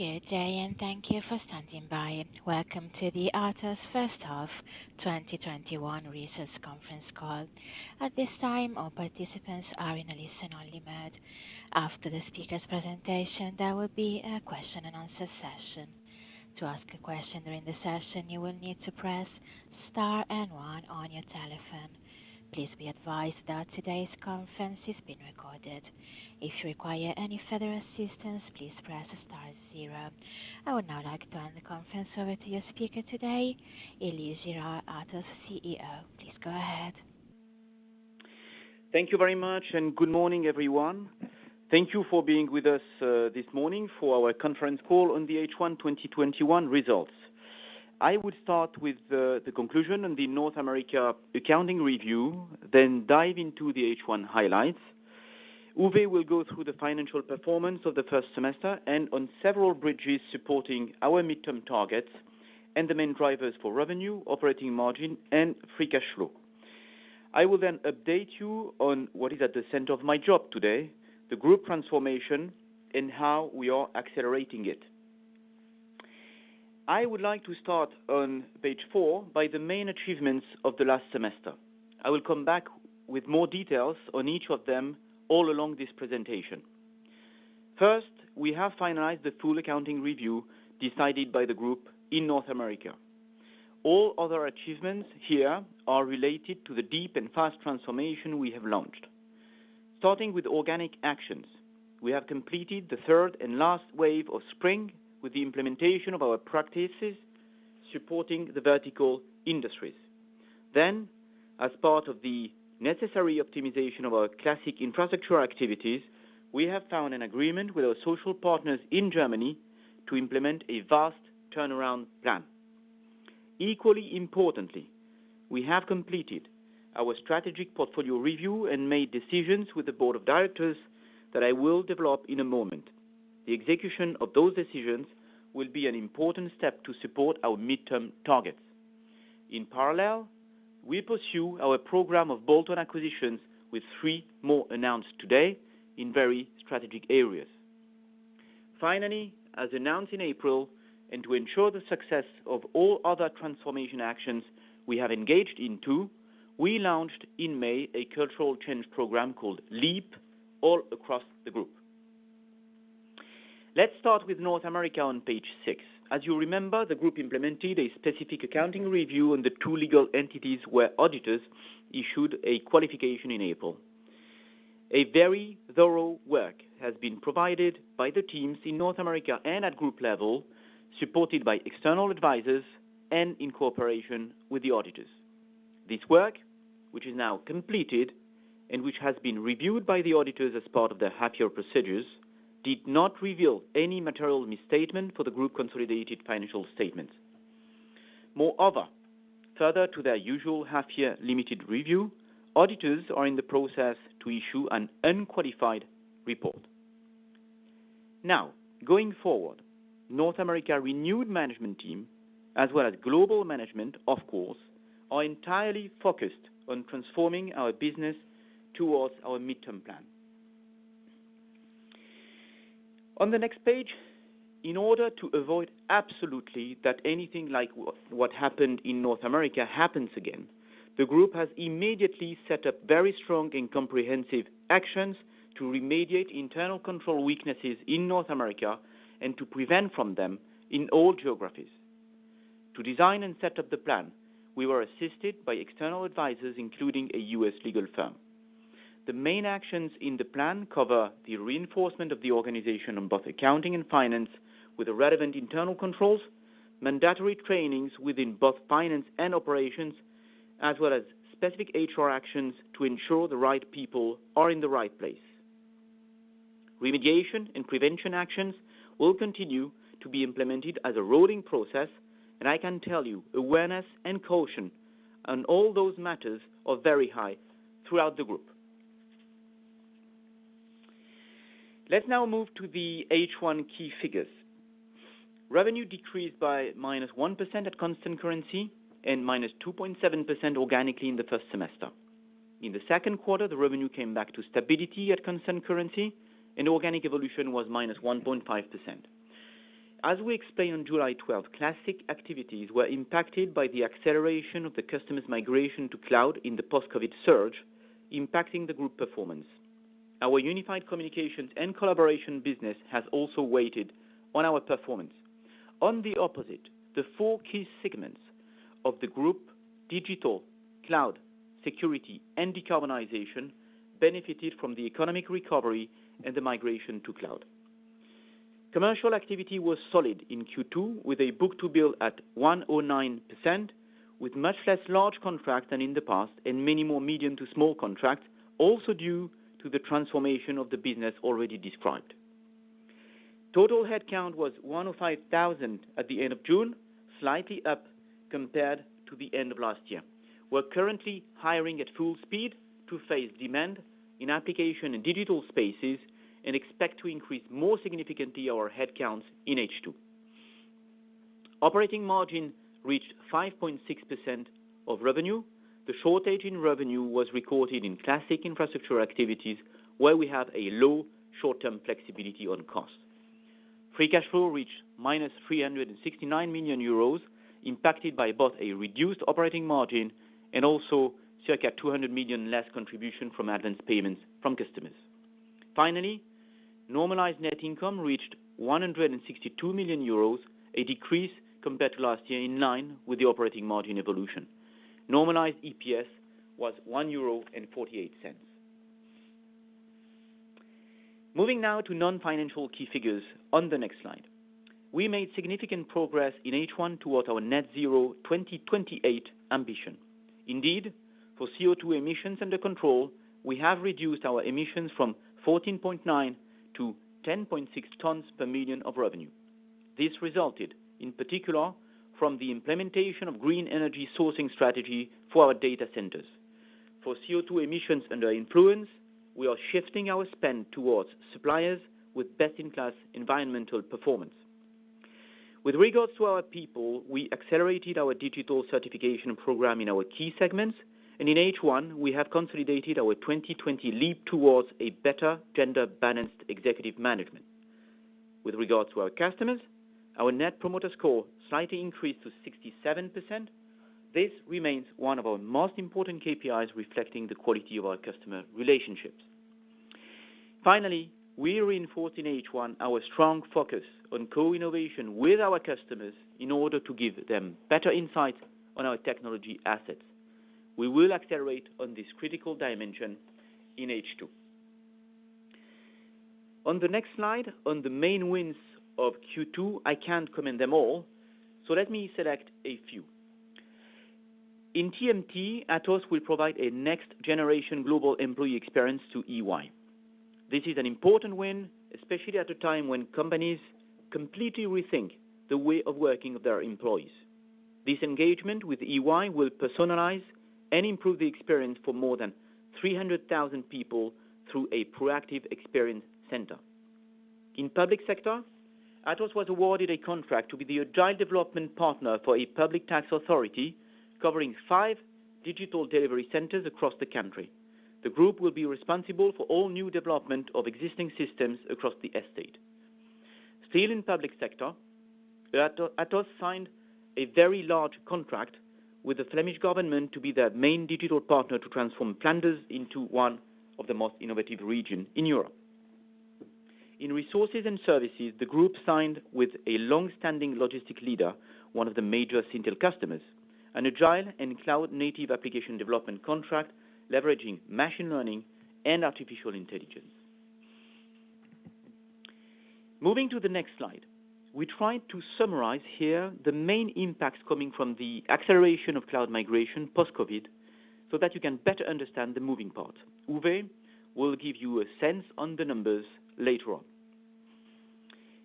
Good day, and thank you for standing by. Welcome to the Atos first half 2021 results conference call. At this time, all participants are in a listen-only mode. After the speakers' presentation, there will be a question and answer session. To ask a question during the session, you will need to press star and one on your telephone. Please be advised that today's conference is being recorded. If you require any further assistance, please press star zero. I would now like to hand the conference over to your speaker today, Elie Girard, Atos CEO. Please go ahead. Thank you very much, and good morning, everyone. Thank you for being with us this morning for our conference call on the H1 2021 results. I would start with the conclusion on the North America accounting review, then dive into the H1 highlights. Uwe will go through the financial performance of the first semester and on several bridges supporting our midterm targets and the main drivers for revenue, operating margin, and free cash flow. I will then update you on what is at the center of my job today, the group transformation, and how we are accelerating it. I would like to start on page four by the main achievements of the last semester. I will come back with more details on each of them all along this presentation. First, we have finalized the full accounting review decided by the group in North America. All other achievements here are related to the deep and fast transformation we have launched. Starting with organic actions, we have completed the third and last wave of Spring with the implementation of our practices supporting the vertical industries. As part of the necessary optimization of our classic infrastructure activities, we have found an agreement with our social partners in Germany to implement a vast turnaround plan. Equally importantly, we have completed our strategic portfolio review and made decisions with the board of directors that I will develop in a moment. The execution of those decisions will be an important step to support our midterm targets. In parallel, we pursue our program of bolt-on acquisitions with three more announced today in very strategic areas. Finally, as announced in April, and to ensure the success of all other transformation actions we have engaged into, we launched in May a cultural change program called LEAP all across the group. Let's start with North America on page six. As you remember, the group implemented a specific accounting review on the two legal entities where auditors issued a qualification in April. A very thorough work has been provided by the teams in North America and at group level, supported by external advisors and in cooperation with the auditors. This work, which is now completed and which has been reviewed by the auditors as part of their half-year procedures, did not reveal any material misstatement for the group consolidated financial statements. Moreover, further to their usual half-year limited review, auditors are in the process to issue an unqualified report. Going forward, North America renewed management team, as well as global management, of course, are entirely focused on transforming our business towards our midterm plan. On the next page, in order to avoid absolutely that anything like what happened in North America happens again, the group has immediately set up very strong and comprehensive actions to remediate internal control weaknesses in North America and to prevent from them in all geographies. To design and set up the plan, we were assisted by external advisors, including a U.S. legal firm. The main actions in the plan cover the reinforcement of the organization on both accounting and finance with the relevant internal controls, mandatory trainings within both finance and operations, as well as specific HR actions to ensure the right people are in the right place. Remediation and prevention actions will continue to be implemented as a rolling process, and I can tell you awareness and caution on all those matters are very high throughout the group. Let's now move to the H1 key figures. Revenue decreased by -1% at constant currency and -2.7% organically in the first semester. In the second quarter, the revenue came back to stability at constant currency, and organic evolution was -1.5%. As we explained on July 12th, classic activities were impacted by the acceleration of the customer's migration to cloud in the post-COVID surge, impacting the group performance. Our Unified Communications and Collaboration business has also weighed on our performance. On the opposite, the four key segments of the group, digital, cloud, security, and decarbonization, benefited from the economic recovery and the migration to cloud. Commercial activity was solid in Q2, with a book-to-bill at 109%, with much less large contract than in the past and many more medium to small contract, also due to the transformation of the business already described. Total headcount was 105,000 at the end of June, slightly up compared to the end of last year. We're currently hiring at full speed to face demand in application and digital spaces and expect to increase more significantly our headcounts in H2. Operating margin reached 5.6% of revenue. The shortage in revenue was recorded in classic infrastructure activities, where we have a low short-term flexibility on cost. Free cash flow reached -369 million euros, impacted by both a reduced operating margin and also circa 200 million less contribution from advanced payments from customers. Finally, normalized net income reached 162 million euros, a decrease compared to last year in line with the operating margin evolution. Normalized EPS was EUR 1.48. Moving now to non-financial key figures on the next slide. We made significant progress in H1 towards our net zero 2028 ambition. Indeed, for CO2 emissions under control, we have reduced our emissions from 14.9 to 10.6 tons per million of revenue. This resulted, in particular, from the implementation of green energy sourcing strategy for our data centers. For CO2 emissions under influence, we are shifting our spend towards suppliers with best-in-class environmental performance. With regards to our people, we accelerated our digital certification program in our key segments, and in H1, we have consolidated our 2020 LEAP towards a better gender-balanced executive management. With regard to our customers, our Net Promoter Score slightly increased to 67%. This remains one of our most important KPIs reflecting the quality of our customer relationships. Finally, we reinforce in H1 our strong focus on co-innovation with our customers in order to give them better insight on our technology assets. We will accelerate on this critical dimension in H2. On the next slide, on the main wins of Q2, I can't comment them all, so let me select a few. In TMT, Atos will provide a next-generation global employee experience to EY. This is an important win, especially at a time when companies completely rethink the way of working of their employees. This engagement with EY will personalize and improve the experience for more than 300,000 people through a proactive experience center. In public sector, Atos was awarded a contract to be the agile development partner for a public tax authority covering five digital delivery centers across the country. The group will be responsible for all new development of existing systems across the estate. Still in public sector, Atos signed a very large contract with the Flemish government to be their main digital partner to transform Flanders into one of the most innovative region in Europe. In resources and services, the group signed with a long-standing logistic leader, one of the major Syntel customers, an agile and cloud-native application development contract leveraging machine learning and artificial intelligence. Moving to the next slide. We tried to summarize here the main impacts coming from the acceleration of cloud migration post-COVID so that you can better understand the moving part. Uwe will give you a sense on the numbers later on.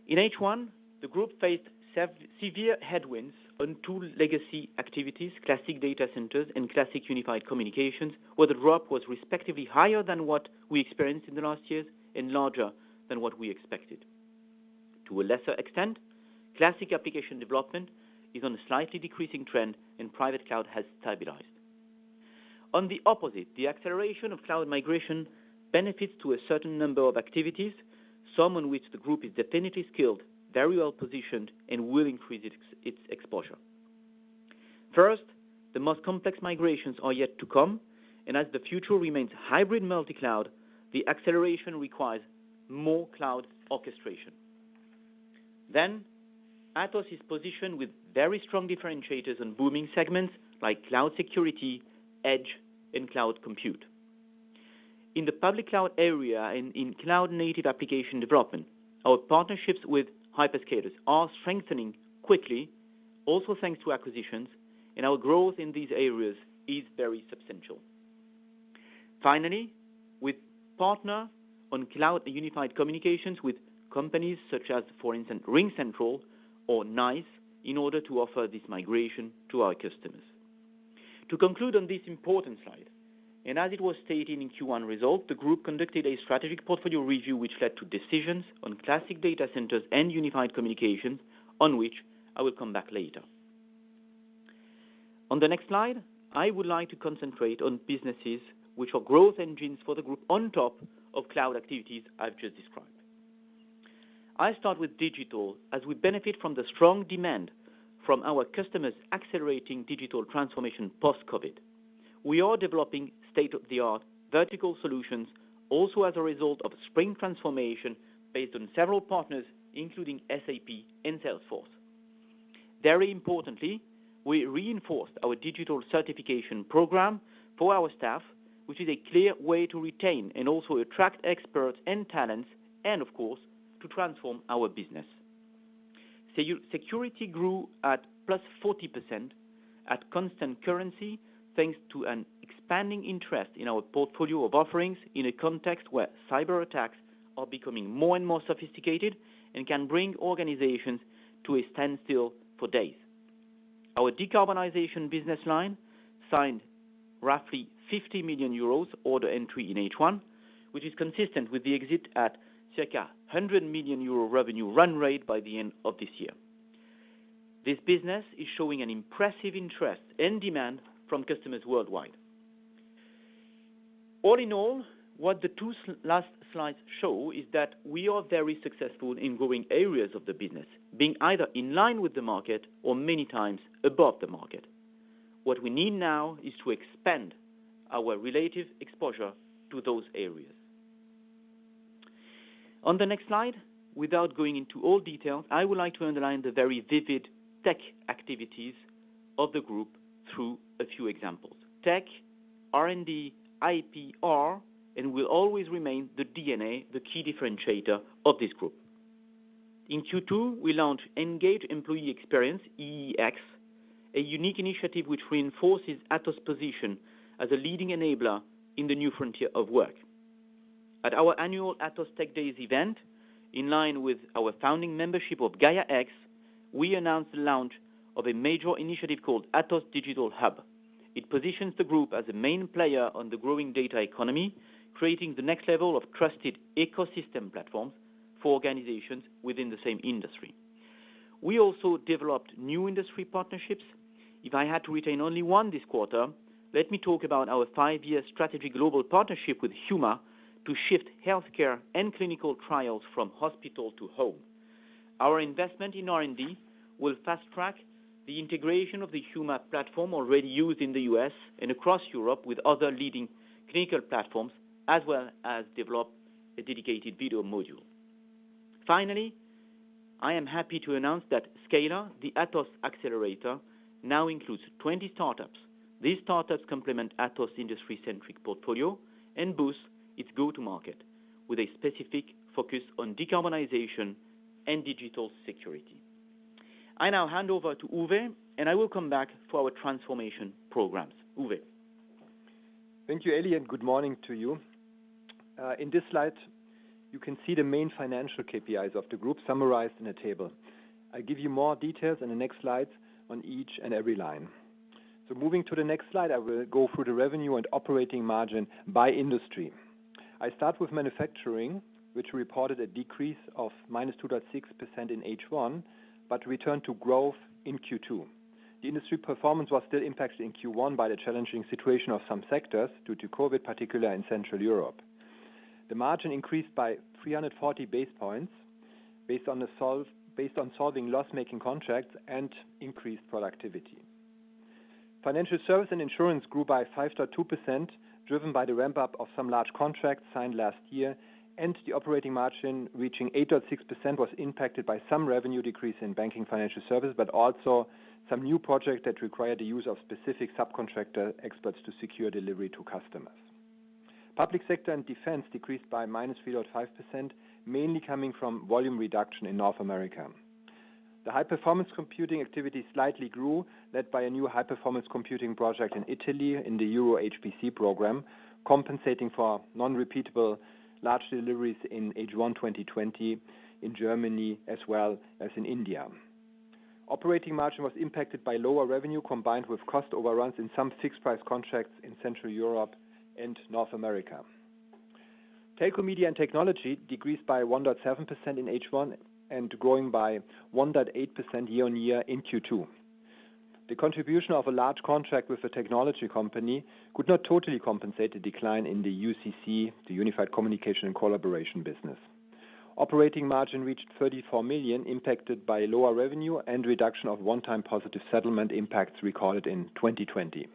In H1, the group faced severe headwinds on two legacy activities, classic data centers and classic Unified Communications, where the drop was respectively higher than what we experienced in the last years and larger than what we expected. To a lesser extent, classic application development is on a slightly decreasing trend, and private cloud has stabilized. On the opposite, the acceleration of cloud migration benefits to a certain number of activities, some on which the group is definitely skilled, very well-positioned, and will increase its exposure. First, the most complex migrations are yet to come, and as the future remains hybrid multi-cloud, the acceleration requires more cloud orchestration. Atos is positioned with very strong differentiators on booming segments like cloud security, edge, and cloud compute. In the public cloud area and in cloud-native application development, our partnerships with hyperscalers are strengthening quickly, also thanks to acquisitions, and our growth in these areas is very substantial. Finally, we partner on cloud Unified Communications with companies such as, for instance, RingCentral or NICE in order to offer this migration to our customers. To conclude on this important slide, and as it was stated in Q1 results, the group conducted a strategic portfolio review which led to decisions on classic data centers and Unified Communications, on which I will come back later. On the next slide, I would like to concentrate on businesses which are growth engines for the group on top of cloud activities I've just described. I start with digital, as we benefit from the strong demand from our customers accelerating digital transformation post-COVID. We are developing state-of-the-art vertical solutions, also as a result of Spring transformation based on several partners, including SAP and Salesforce. Very importantly, we reinforced our digital certification program for our staff, which is a clear way to retain and also attract experts and talents, and of course, to transform our business. Security grew at +40% at constant currency, thanks to an expanding interest in our portfolio of offerings in a context where cyber attacks are becoming more and more sophisticated and can bring organizations to a standstill for days. Our decarbonization business line signed roughly 50 million euros order entry in H1, which is consistent with the exit at circa 100 million euro revenue run rate by the end of this year. This business is showing an impressive interest and demand from customers worldwide. All in all, what the two last slides show is that we are very successful in growing areas of the business, being either in line with the market or many times above the market. On the next slide, without going into all details, I would like to underline the very vivid tech activities of the group through a few examples. Tech, R&D, IPR, and will always remain the DNA, the key differentiator of this group. In Q2, we launched Engaged Employee Experience, EEX, a unique initiative which reinforces Atos' position as a leading enabler in the new frontier of work. At our annual Atos Technology Days event, in line with our founding membership of Gaia-X, we announced the launch of a major initiative called Atos Digital Hub. It positions the group as a main player on the growing data economy, creating the next level of trusted ecosystem platforms for organizations within the same industry. We also developed new industry partnerships. If I had to retain only one this quarter, let me talk about our five-year strategy global partnership with Huma, to shift healthcare and clinical trials from hospital to home. Our investment in R&D will fast-track the integration of the Huma platform already used in the U.S. and across Europe with other leading clinical platforms, as well as develop a dedicated video module. Finally, I am happy to announce that Scaler, the Atos accelerator, now includes 20 startups. These startups complement Atos industry-centric portfolio and boost its go-to-market with a specific focus on decarbonization and digital security. I now hand over to Uwe, and I will come back for our transformation programs. Uwe. Thank you, Elie, and good morning to you. In this slide, you can see the main financial KPIs of the group summarized in a table. I give you more details in the next slides on each and every line. Moving to the next slide, I will go through the revenue and operating margin by industry. I start with manufacturing, which reported a decrease of -2.6% in H1, but returned to growth in Q2. The industry performance was still impacted in Q1 by the challenging situation of some sectors due to COVID, particularly in Central Europe. The margin increased by 340 basis points based on solving loss-making contracts and increased productivity. Financial service and insurance grew by 5.2%, driven by the ramp-up of some large contracts signed last year, and the operating margin reaching 8.6% was impacted by some revenue decrease in banking financial service, but also some new projects that required the use of specific subcontractor experts to secure delivery to customers. Public sector and defense decreased by -3.5%, mainly coming from volume reduction in North America. The high-performance computing activity slightly grew, led by a new high-performance computing project in Italy in the EuroHPC program, compensating for non-repeatable large deliveries in H1 2020 in Germany as well as in India. Operating margin was impacted by lower revenue combined with cost overruns in some fixed-price contracts in Central Europe and North America. Telco, media, and technology decreased by 1.7% in H1 and growing by 1.8% year-on-year in Q2. The contribution of a large contract with a technology company could not totally compensate the decline in the UCC, Unified Communication and collaboration business. Operating margin reached 34 million, impacted by lower revenue and reduction of one-time positive settlement impacts recorded in 2020.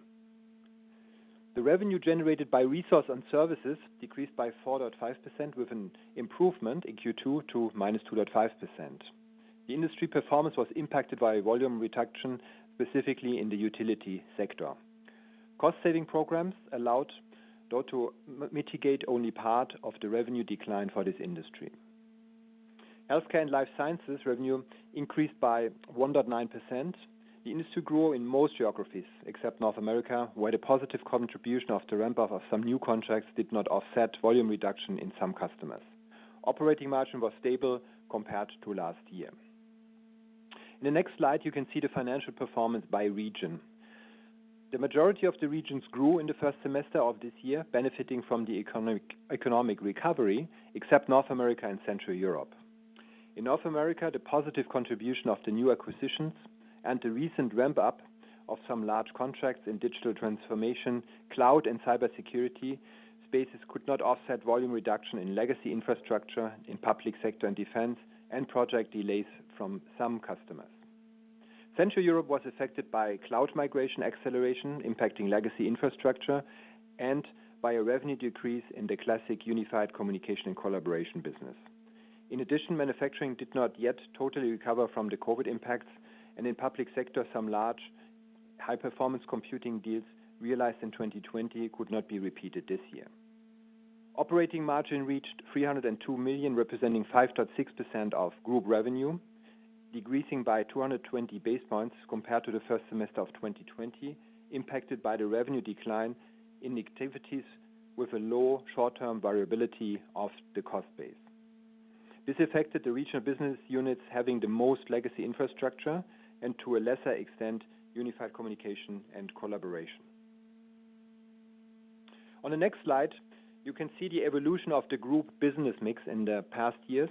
The revenue generated by resource and services decreased by 4.5%, with an improvement in Q2 to -2.5%. The industry performance was impacted by volume reduction, specifically in the utility sector. Cost-saving programs allowed, though, to mitigate only part of the revenue decline for this industry. Healthcare and life sciences revenue increased by 1.9%. The industry grew in most geographies except North America, where the positive contribution of the ramp-up of some new contracts did not offset volume reduction in some customers. Operating margin was stable compared to last year. In the next slide, you can see the financial performance by region. The majority of the regions grew in the first semester of this year, benefiting from the economic recovery, except North America and Central Europe. In North America, the positive contribution of the new acquisitions and the recent ramp-up of some large contracts in digital transformation, cloud and cybersecurity spaces could not offset volume reduction in legacy infrastructure in public sector and defense, and project delays from some customers. Central Europe was affected by cloud migration acceleration impacting legacy infrastructure, and by a revenue decrease in the Unified Communication and collaboration business. In addition, manufacturing did not yet totally recover from the COVID impacts, and in public sector, some large high-performance computing deals realized in 2020 could not be repeated this year. Operating margin reached 302 million, representing 5.6% of group revenue, decreasing by 220 basis points compared to the first semester of 2020, impacted by the revenue decline in activities with a low short-term variability of the cost base. This affected the regional business units having the most legacy infrastructure and, to a lesser Unified Communication and collaboration. on the next slide, you can see the evolution of the group business mix in the past years,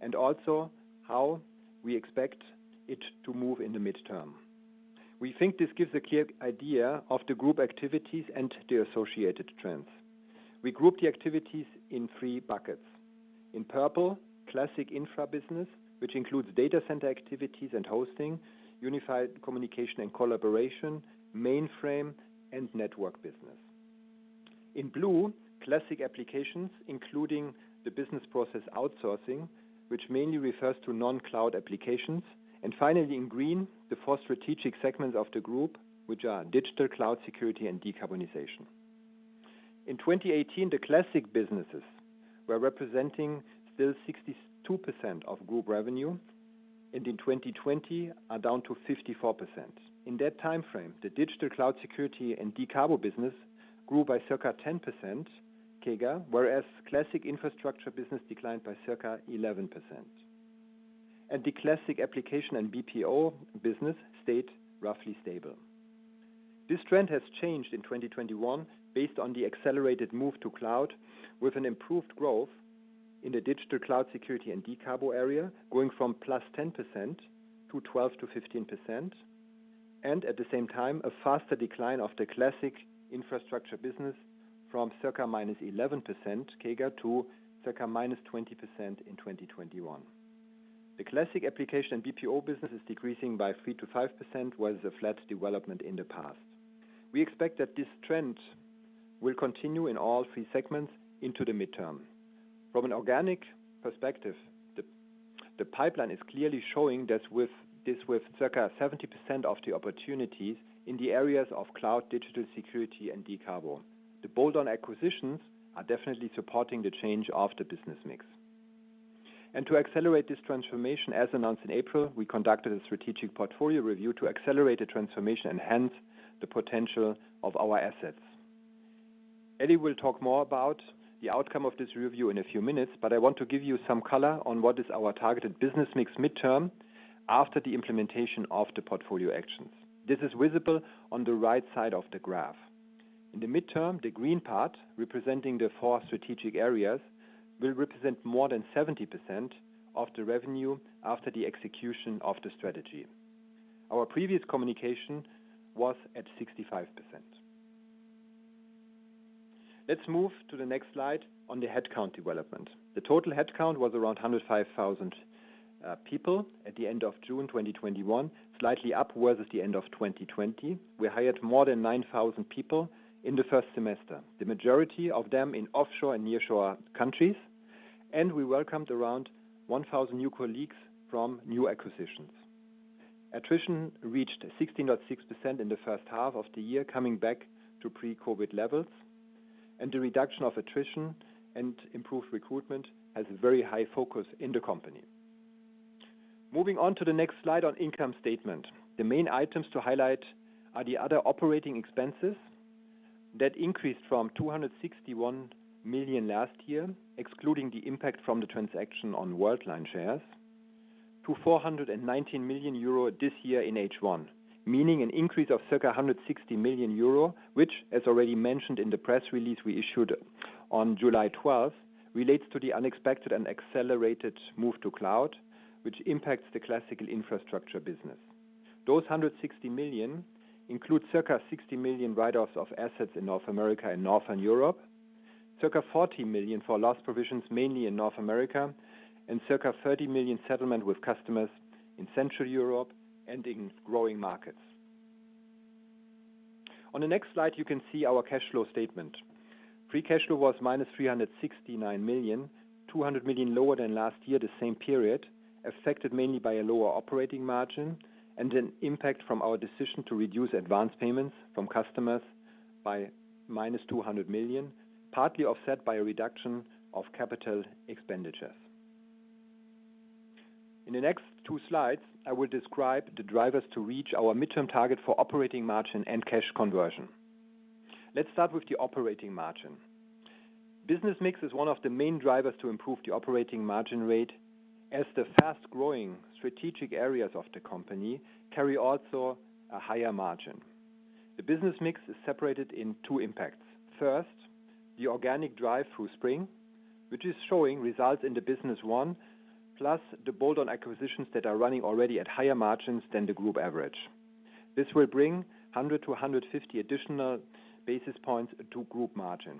and also how we expect it to move in the midterm. We think this gives a clear idea of the group activities and the associated trends. We group the activities in three buckets. In purple, classic infra business, which includes data center activities and Unified Communication and collaboration, mainframe, and network business. In blue, classic applications, including the business process outsourcing, which mainly refers to non-cloud applications. Finally, in green, the four strategic segments of the group, which are digital, cloud, security, and decarbonization. In 2018, the classic businesses were representing still 62% of group revenue, and in 2020 are down to 54%. In that timeframe, the digital, cloud, security, and decarb business grew by circa 10% CAGR, whereas classic infrastructure business declined by circa 11%. The classic application and BPO business stayed roughly stable. This trend has changed in 2021 based on the accelerated move to cloud, with an improved growth in the digital, cloud, security, and decarb area, going from +10% to 12% to 15%. At the same time, a faster decline of the classic infrastructure business from circa -11% CAGR to circa -20% in 2021. The classic application BPO business is decreasing by 3%-5%, whereas a flat development in the past. We expect that this trend will continue in all three segments into the midterm. From an organic perspective, the pipeline is clearly showing this with circa 70% of the opportunities in the areas of cloud, digital security, and decarb. The bolt-on acquisitions are definitely supporting the change of the business mix. To accelerate this transformation, as announced in April, we conducted a strategic portfolio review to accelerate the transformation and hence the potential of our assets. Elie will talk more about the outcome of this review in a few minutes, but I want to give you some color on what is our targeted business mix midterm after the implementation of the portfolio actions. This is visible on the right side of the graph. In the midterm, the green part, representing the four strategic areas, will represent more than 70% of the revenue after the execution of the strategy. Our previous communication was at 65%. Let's move to the next slide on the headcount development. The total headcount was around 105,000 people at the end of June 2021, slightly upwards at the end of 2020. We hired more than 9,000 people in the first semester, the majority of them in offshore and nearshore countries, and we welcomed around 1,000 new colleagues from new acquisitions. Attrition reached 16.6% in the first half of the year, coming back to pre-COVID levels, and the reduction of attrition and improved recruitment has a very high focus in the company. Moving on to the next slide on income statement. The main items to highlight are the other operating expenses that increased from 261 million last year, excluding the impact from the transaction on Worldline shares, to 419 million euro this year in H1, meaning an increase of circa 160 million euro, which, as already mentioned in the press release we issued on July 12th, relates to the unexpected and accelerated move to cloud, which impacts the classical infrastructure business. Those 160 million include circa 60 million write-offs of assets in North America and Northern Europe, circa 40 million for loss provisions, mainly in North America, and circa 30 million settlement with customers in Central Europe and in growing markets. On the next slide, you can see our cash flow statement. Free cash flow was -369 million, 200 million lower than last year the same period, affected mainly by a lower operating margin and an impact from our decision to reduce advanced payments from customers by -200 million, partly offset by a reduction of capital expenditures. In the next two slides, I will describe the drivers to reach our midterm target for operating margin and cash conversion. Let's start with the operating margin. Business mix is one of the main drivers to improve the operating margin rate as the fast-growing strategic areas of the company carry also a higher margin. The business mix is separated in two impacts. First, the organic drive through Spring, which is showing results in the business one, plus the bolt-on acquisitions that are running already at higher margins than the group average. This will bring 100-150 additional basis points to group margin.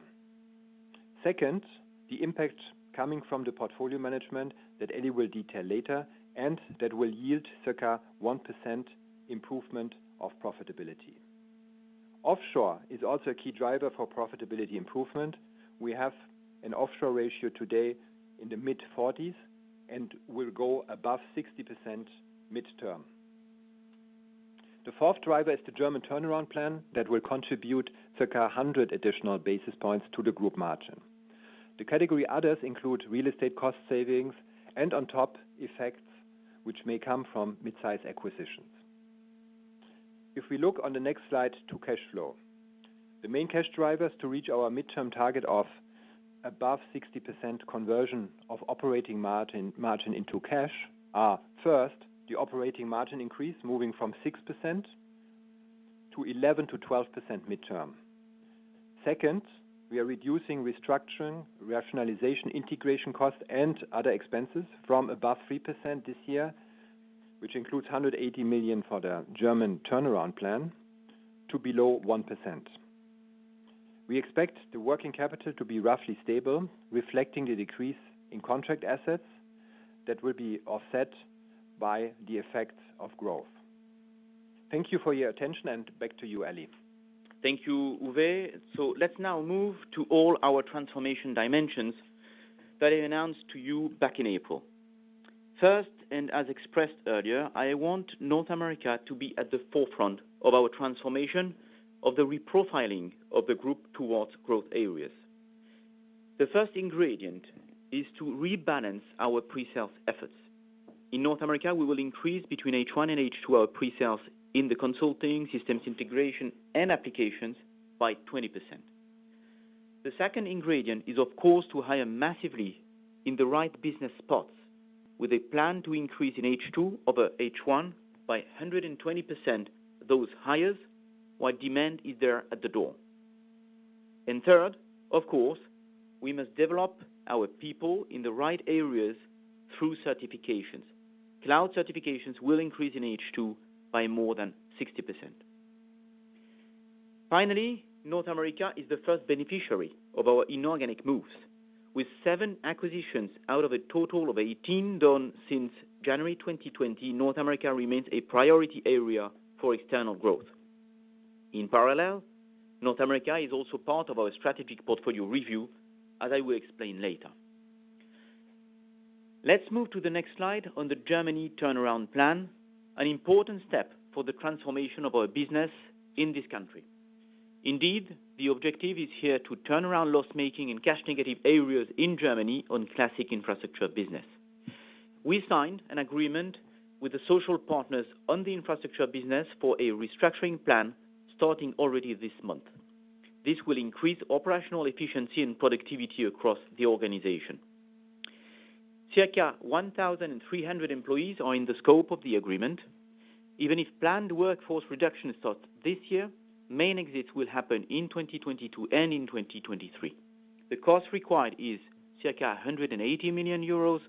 Second, the impact coming from the portfolio management that Elie will detail later and that will yield circa 1% improvement of profitability. Offshore is also a key driver for profitability improvement. We have an offshore ratio today in the mid-40s and will go above 60% midterm. The fourth driver is the German turnaround plan that will contribute circa 100 additional basis points to the group margin. The category others include real estate cost savings and on top effects, which may come from midsize acquisitions. If we look on the next slide to cash flow, the main cash drivers to reach our midterm target of above 60% conversion of operating margin into cash are, first, the operating margin increase moving from 6% to 11%-12% midterm. Second, we are reducing restructuring, rationalization, integration costs and other expenses from above 3% this year, which includes 180 million for the German Turnaround Plan to below 1%. We expect the working capital to be roughly stable, reflecting the decrease in contract assets that will be offset by the effect of growth. Thank you for your attention, and back to you, Elie. Thank you, Uwe. Let's now move to all our transformation dimensions that I announced to you back in April. First, as expressed earlier, I want North America to be at the forefront of our transformation of the reprofiling of the group towards growth areas. The first ingredient is to rebalance our pre-sales efforts. In North America, we will increase between H1 and H2 our pre-sales in the consulting, systems integration, and applications by 20%. The second ingredient is, of course, to hire massively in the right business spots with a plan to increase in H2 over H1 by 120% those hires while demand is there at the door. Third, of course, we must develop our people in the right areas through certifications. Cloud certifications will increase in H2 by more than 60%. Finally, North America is the first beneficiary of our inorganic moves. With seven acquisitions out of a total of 18 done since January 2020, North America remains a priority area for external growth. In parallel, North America is also part of our strategic portfolio review, as I will explain later. Let's move to the next slide on the Germany turnaround plan, an important step for the transformation of our business in this country. Indeed, the objective is here to turn around loss-making and cash-negative areas in Germany on classic infrastructure business. We signed an agreement with the social partners on the infrastructure business for a restructuring plan starting already this month. This will increase operational efficiency and productivity across the organization. Circa 1,300 employees are in the scope of the agreement. Even if planned workforce reduction starts this year, main exits will happen in 2022 and in 2023. The cost required is circa 180 million euros,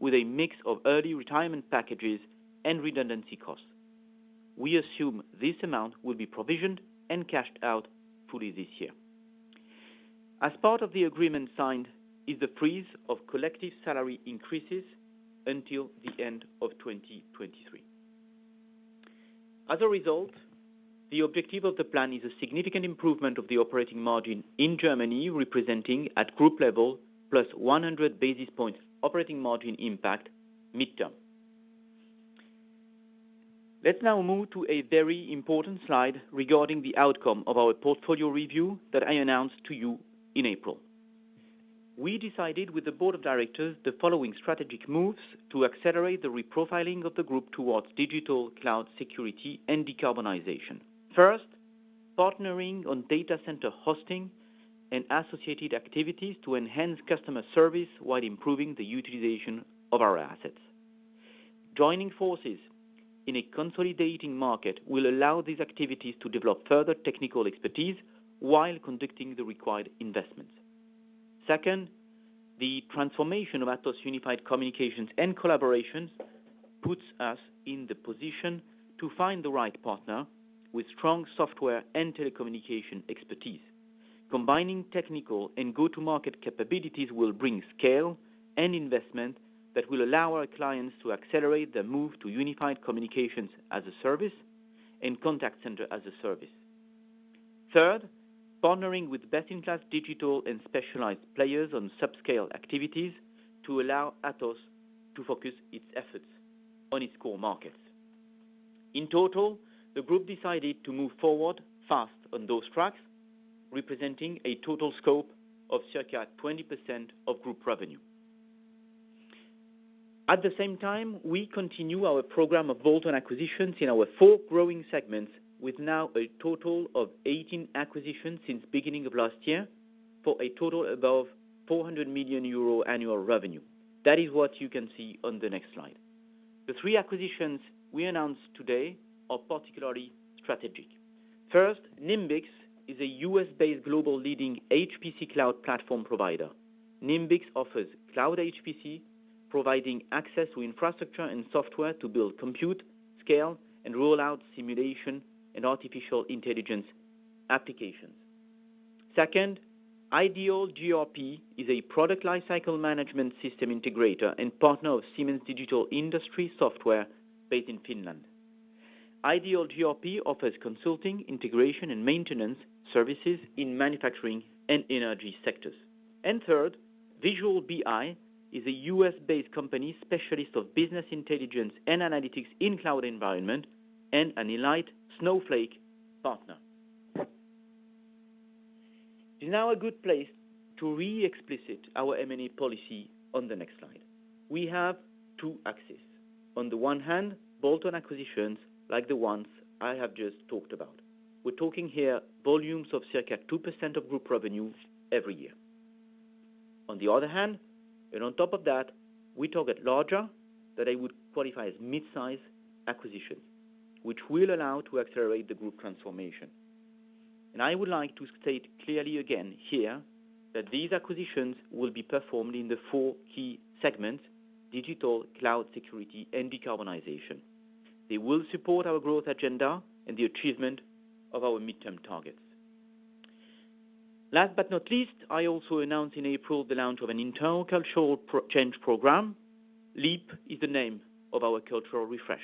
with a mix of early retirement packages and redundancy costs. We assume this amount will be provisioned and cashed out fully this year. As part of the agreement signed is the freeze of collective salary increases until the end of 2023. As a result, the objective of the plan is a significant improvement of the operating margin in Germany, representing at group level +100 basis points operating margin impact midterm. Let's now move to a very important slide regarding the outcome of our portfolio review that I announced to you in April. We decided with the board of directors the following strategic moves to accelerate the reprofiling of the group towards digital, cloud, security and decarbonization. First, partnering on data center hosting and associated activities to enhance customer service while improving the utilization of our assets. Joining forces in a consolidating market will allow these activities to develop further technical expertise while conducting the required investments. Second, the transformation of Atos Unified Communications and Collaborations puts us in the position to find the right partner with strong software and telecommunication expertise. Combining technical and go-to-market capabilities will bring scale and investment that will allow our clients to accelerate their move to Unified Communications as a service and contact center as a service. Third, partnering with best-in-class digital and specialized players on subscale activities to allow Atos to focus its efforts on its core markets. In total, the group decided to move forward fast on those tracks, representing a total scope of circa 20% of group revenue. At the same time, we continue our program of bolt-on acquisitions in our four growing segments, with now a total of 18 acquisitions since beginning of last year for a total above 400 million euro annual revenue. That is what you can see on the next slide. The three acquisitions we announced today are particularly strategic. First, Nimbix is a U.S.-based global leading HPC cloud platform provider. Nimbix offers cloud HPC, providing access to infrastructure and software to build, compute, scale, and roll out simulation and artificial intelligence applications. Second, Ideal GRP is a Product Lifecycle Management system integrator and partner of Siemens Digital Industries Software based in Finland. Ideal GRP offers consulting, integration, and maintenance services in manufacturing and energy sectors. Third, Visual BI is a U.S.-based company specialist of business intelligence and analytics in cloud environment and an elite Snowflake partner. It is now a good place to re-explicit our M&A policy on the next slide. We have two axes. On the one hand, bolt-on acquisitions like the ones I have just talked about. We're talking here volumes of circa 2% of group revenue every year. On the other hand, and on top of that, we target larger, that I would qualify as mid-size acquisitions, which will allow to accelerate the group transformation. I would like to state clearly again here, that these acquisitions will be performed in the four key segments: digital, cloud, security and decarbonization. They will support our growth agenda and the achievement of our midterm targets. Last but not least, I also announced in April the launch of an internal cultural change program. LEAP is the name of our cultural refresh.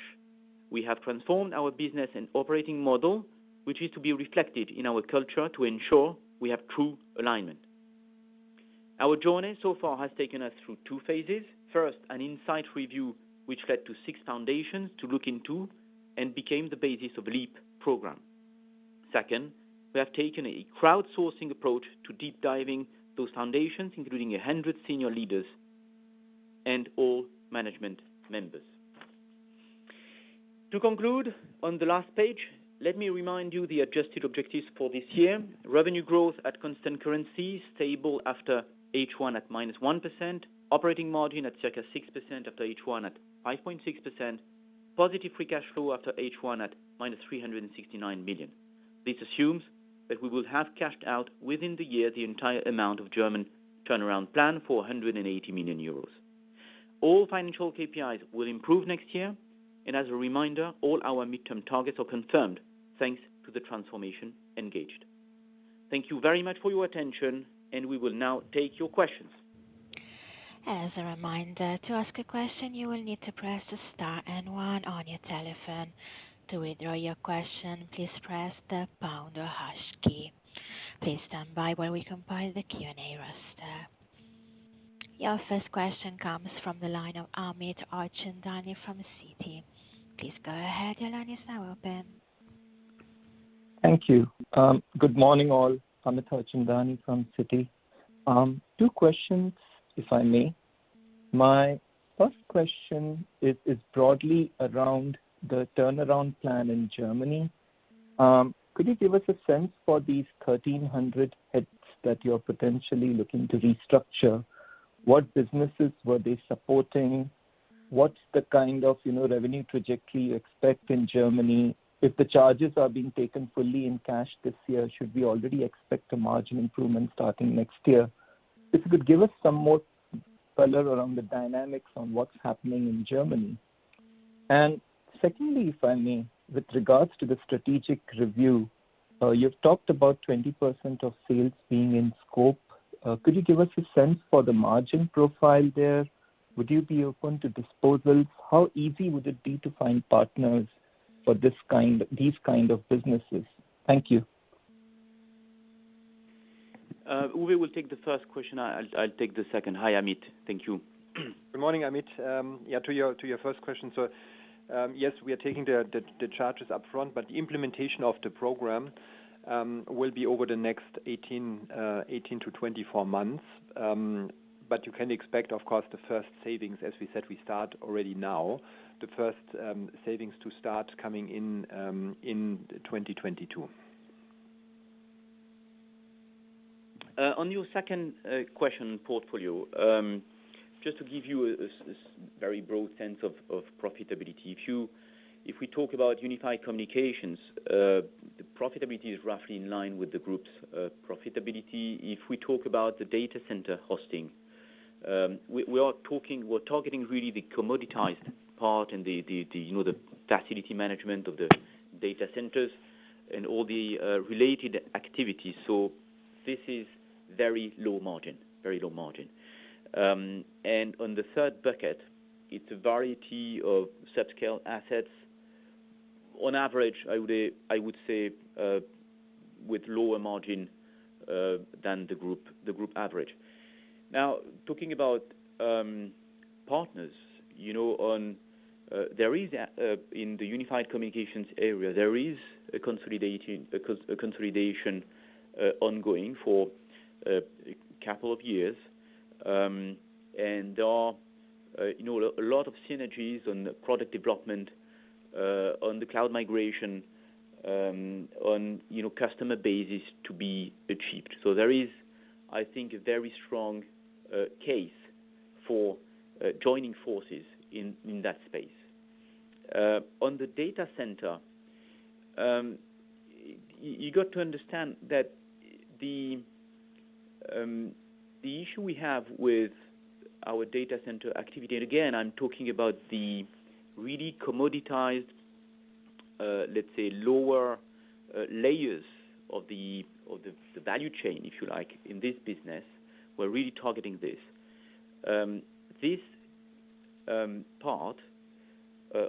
We have transformed our business and operating model, which is to be reflected in our culture to ensure we have true alignment. Our journey so far has taken us through two phases. First, an insight review, which led to six foundations to look into and became the basis of LEAP program. Second, we have taken a crowdsourcing approach to deep diving those foundations, including 100 senior leaders and all management members. To conclude, on the last page, let me remind you the adjusted objectives for this year. Revenue growth at constant currency, stable after H1 at -1%. Operating margin at circa 6% after H1 at 5.6%. Positive free cash flow after H1 at -369 million. This assumes that we will have cashed out within the year the entire amount of German turnaround plan for 180 million euros. All financial KPIs will improve next year. As a reminder, all our midterm targets are confirmed, thanks to the transformation engaged. Thank you very much for your attention, and we will now take your questions. As a reminder, to ask a question, you will need to press star and one on your telephone. To withdraw your question, please press the pound or hash key. Please stand by while we compile the Q&A roster. Your first question comes from the line of Amit Harchandani from Citi. Please go ahead. Your line is now open. Thank you. Good morning, all. Amit Harchandani from Citi. Two questions, if I may. My first question is broadly around the turnaround plan in Germany. Could you give us a sense for these 1,300 heads that you're potentially looking to restructure? What businesses were they supporting? What's the kind of revenue trajectory you expect in Germany? If the charges are being taken fully in cash this year, should we already expect a margin improvement starting next year? If you could give us some more color around the dynamics on what's happening in Germany. Secondly, if I may, with regards to the strategic review, you've talked about 20% of sales being in scope. Could you give us a sense for the margin profile there? Would you be open to disposals? How easy would it be to find partners for these kind of businesses? Thank you. Uwe will take the first question. I'll take the second. Hi, Amit. Thank you. Good morning, Amit. To your first question. Yes, we are taking the charges upfront, but the implementation of the program will be over the next 18 to 24 months. You can expect, of course, the first savings, as we said, we start already now, the first savings to start coming in 2022. On your second question, portfolio. Just to give you a very broad sense of profitability. If we talk about Unified Communications, the profitability is roughly in line with the group's profitability. If we talk about the data center hosting, we're targeting really the commoditized part and the facility management of the data centers and all the related activities. This is very low margin. On the third bucket, it's a variety of subscale assets. On average, I would say with lower margin than the group average. Now, talking about partners. In the Unified Communications area, there is a consolidation ongoing for a couple of years. There are a lot of synergies on the product development, on the cloud migration, on customer basis to be achieved. There is, I think, a very strong case for joining forces in that space. On the data center, you have to understand that the issue we have with our data centers activity, and again, I am talking about the really commoditized, let's say, lower layers of the value chain, if you like, in this business. We're really targeting this. This part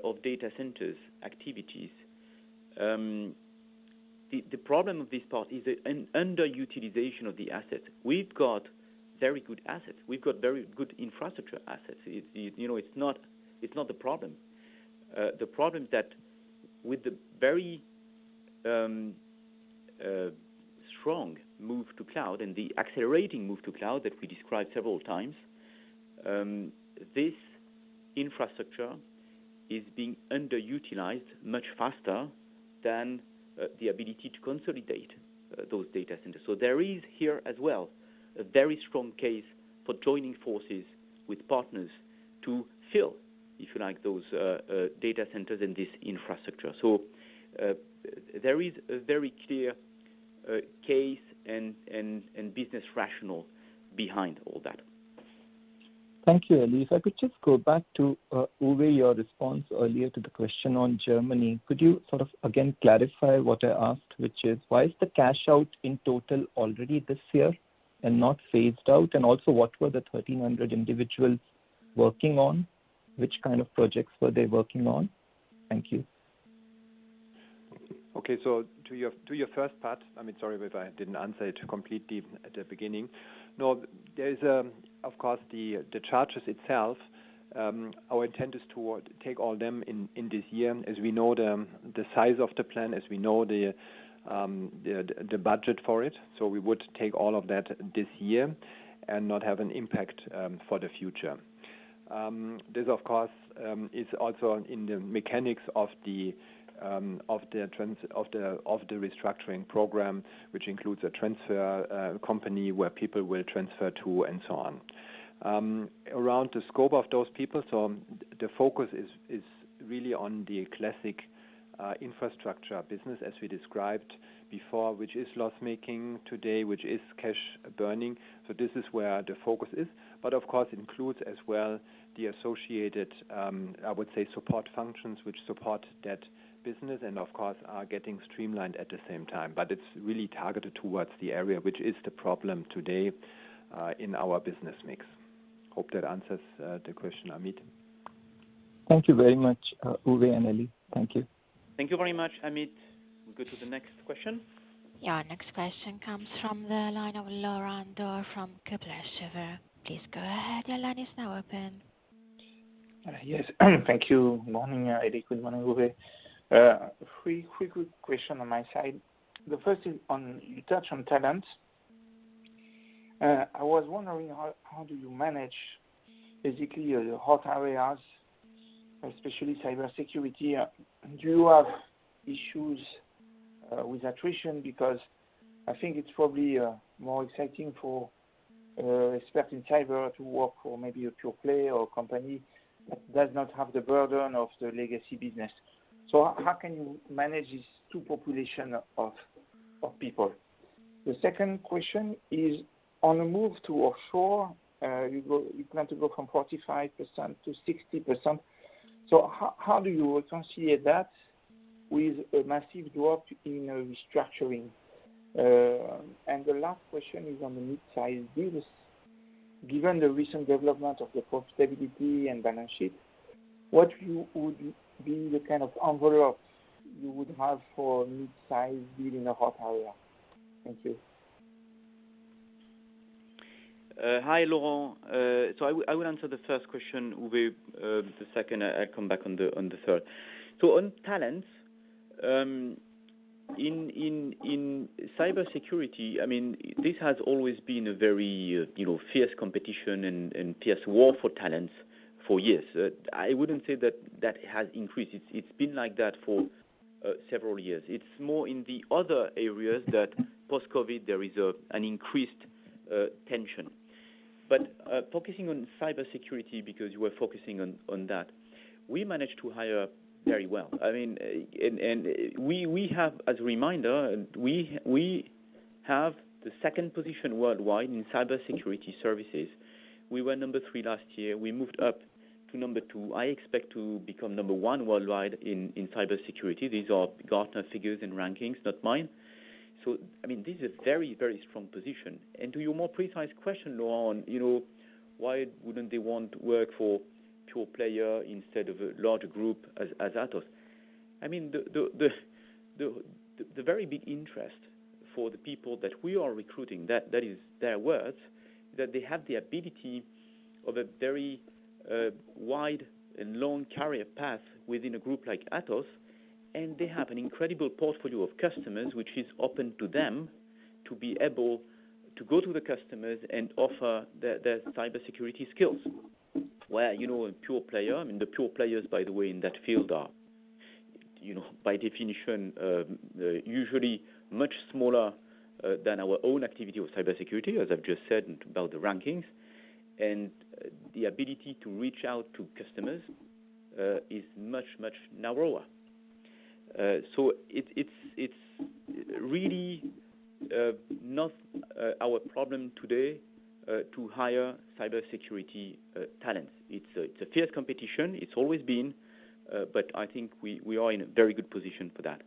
of data centers activities, the problem with this part is the underutilization of the asset. We've got very good assets. We've got very good infrastructure assets. It's not the problem. The problem is that with the very strong move to cloud and the accelerating move to cloud that we described several times, this infrastructure is being underutilized much faster than the ability to consolidate those data centers. There is here as well, a very strong case for joining forces with partners to fill, if you like, those data centers and this infrastructure. There is a very clear case and business rationale behind all that. Thank you, Elie. If I could just go back to, Uwe, your response earlier to the question on Germany. Could you sort of again clarify what I asked, which is, why is the cash out in total already this year and not phased out? Also, what were the 1,300 individuals working on? Which kind of projects were they working on? Thank you. Okay. To your first part, I mean, sorry if I didn't answer it completely at the beginning. No, there is, of course, the charges itself. Our intent is to take all them in this year, as we know the size of the plan, as we know the budget for it. We would take all of that this year and not have an impact for the future. This, of course, is also in the mechanics of the restructuring program, which includes a transfer company where people will transfer to and so on. Around the scope of those people, the focus is really on the classic infrastructure business as we described before, which is loss-making today, which is cash burning. This is where the focus is. Of course, includes as well the associated, I would say support functions, which support that business and of course, are getting streamlined at the same time. It's really targeted towards the area, which is the problem today in our business mix. Hope that answers the question, Amit. Thank you very much, Uwe and Elie. Thank you. Thank you very much, Amit. We go to the next question. Yeah. Next question comes from the line of Laurent Daure from Kepler Cheuvreux. Please go ahead. Your line is now open. Yes. Thank you. Morning, Elie. Good morning, Uwe. Three quick question on my side. The first is, you touched on talent. I was wondering how do you manage basically your hot areas, especially cybersecurity. Do you have issues with attrition? I think it's probably more exciting for expert in cyber to work for maybe a pure play or company that does not have the burden of the legacy business. How can you manage these two population of people? The second question is on a move to offshore, you plan to go from 45% to 60%. How do you reconcile that with a massive drop in restructuring? The last question is on the mid-size business. Given the recent development of the profitability and balance sheet, what would be the kind of envelope you would have for mid-size deal in a hot area? Thank you. Hi, Laurent. I will answer the first question, Uwe, the second, I come back on the third. On talent, in cybersecurity, this has always been a very fierce competition and fierce war for talents for years. I wouldn't say that that has increased. It's been like that for several years. It's more in the other areas that post-COVID, there is an increased tension. Focusing on cybersecurity, because you were focusing on that, we managed to hire very well. We have, as a reminder, we have the second position worldwide in cybersecurity services. We were number three last year. We moved up to number two. I expect to become number one worldwide in cybersecurity. These are Gartner figures and rankings, not mine. This is a very strong position. To your more precise question, Laurent, why wouldn't they want to work for pure player instead of a larger group as Atos? The very big interest for the people that we are recruiting, that is their words, that they have the ability of a very wide and long career path within a group like Atos, and they have an incredible portfolio of customers, which is open to them to be able to go to the customers and offer their cybersecurity skills. Where a pure player, I mean, the pure players, by the way, in that field are by definition, usually much smaller than our own activity of cybersecurity, as I've just said about the rankings. The ability to reach out to customers is much narrower. It's really not our problem today to hire cybersecurity talents. It's a fierce competition. It's always been, but I think we are in a very good position for that.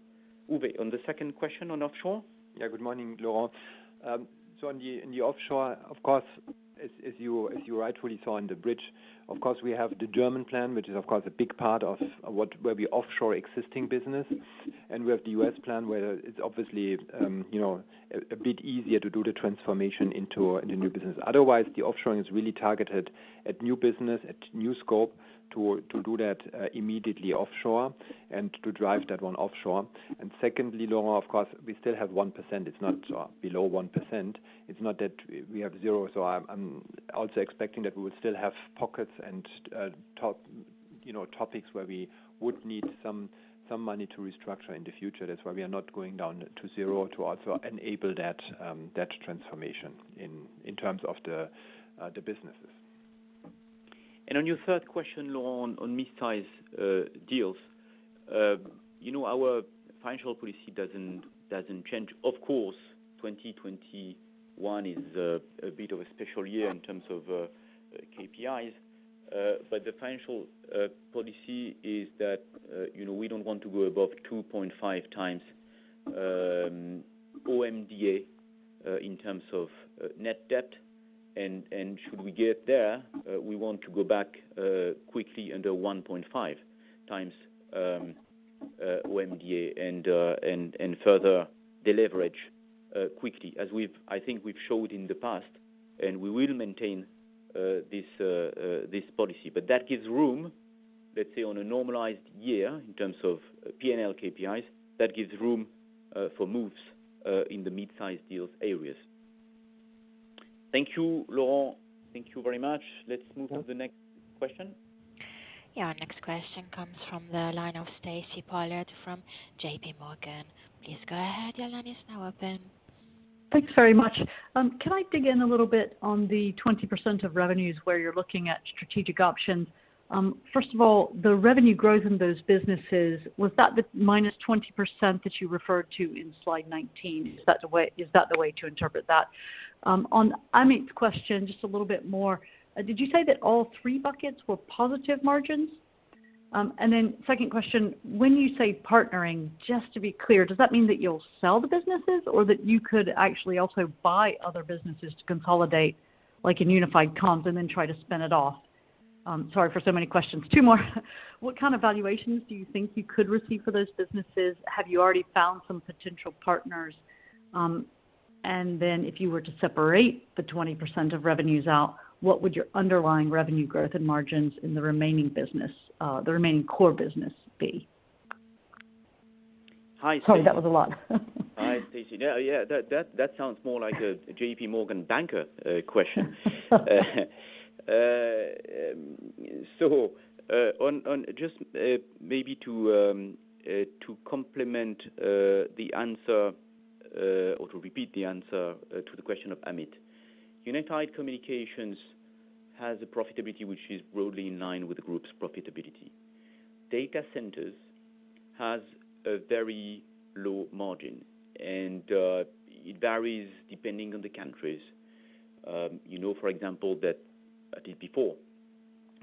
Uwe, on the second question on offshore? Yeah. Good morning, Laurent. On the offshore, of course, as you rightfully saw in the bridge, of course, we have the German plan, which is, of course, a big part of where we offshore existing business. We have the U.S. plan, where it's obviously a bit easier to do the transformation into the new business. Otherwise, the offshoring is really targeted at new business, at new scope to do that immediately offshore and to drive that one offshore. Secondly, Laurent, of course, we still have 1%. It's not below 1%. It's not that we have zero. I'm also expecting that we would still have pockets and top topics where we would need some money to restructure in the future. That's why we are not going down to zero to also enable that transformation in terms of the businesses. On your third question, Laurent, on mid-size deals, our financial policy doesn't change. Of course, 2021 is a bit of a special year in terms of KPIs. The financial policy is that we don't want to go above 2.5x OMDA in terms of net debt. Should we get there, we want to go back quickly under 1.5x OMDA and further deleverage quickly as I think we've showed in the past. We will maintain this policy. That gives room, let's say, on a normalized year in terms of P&L KPIs, that gives room for moves in the mid-size deals areas. Thank you, Laurent. Thank you very much. Let's move on to the next question. Yeah. Our next question comes from the line of Stacy Pollard from JPMorgan. Please go ahead. Thanks very much. Can I dig in a little bit on the 20% of revenues where you're looking at strategic options? First of all, the revenue growth in those businesses, was that the -20% that you referred to in slide 19? Is that the way to interpret that? On Amit's question, just a little bit more. Did you say that all three buckets were positive margins? Second question, when you say partnering, just to be clear, does that mean that you'll sell the businesses or that you could actually also buy other businesses to consolidate, like in Unified Comms and then try to spin it off? Sorry for so many questions. Two more. What kind of valuations do you think you could receive for those businesses? Have you already found some potential partners? If you were to separate the 20% of revenues out, what would your underlying revenue growth and margins in the remaining core business be? Hi, Stacy. Sorry, that was a lot. Hi, Stacy. Yeah. That sounds more like a JPMorgan banker question. Just maybe to complement the answer, or to repeat the answer to the question of Unified Communications has a profitability which is broadly in line with the group's profitability. Data centers has a very low margin, and it varies depending on the countries. You know, for example, that I did before.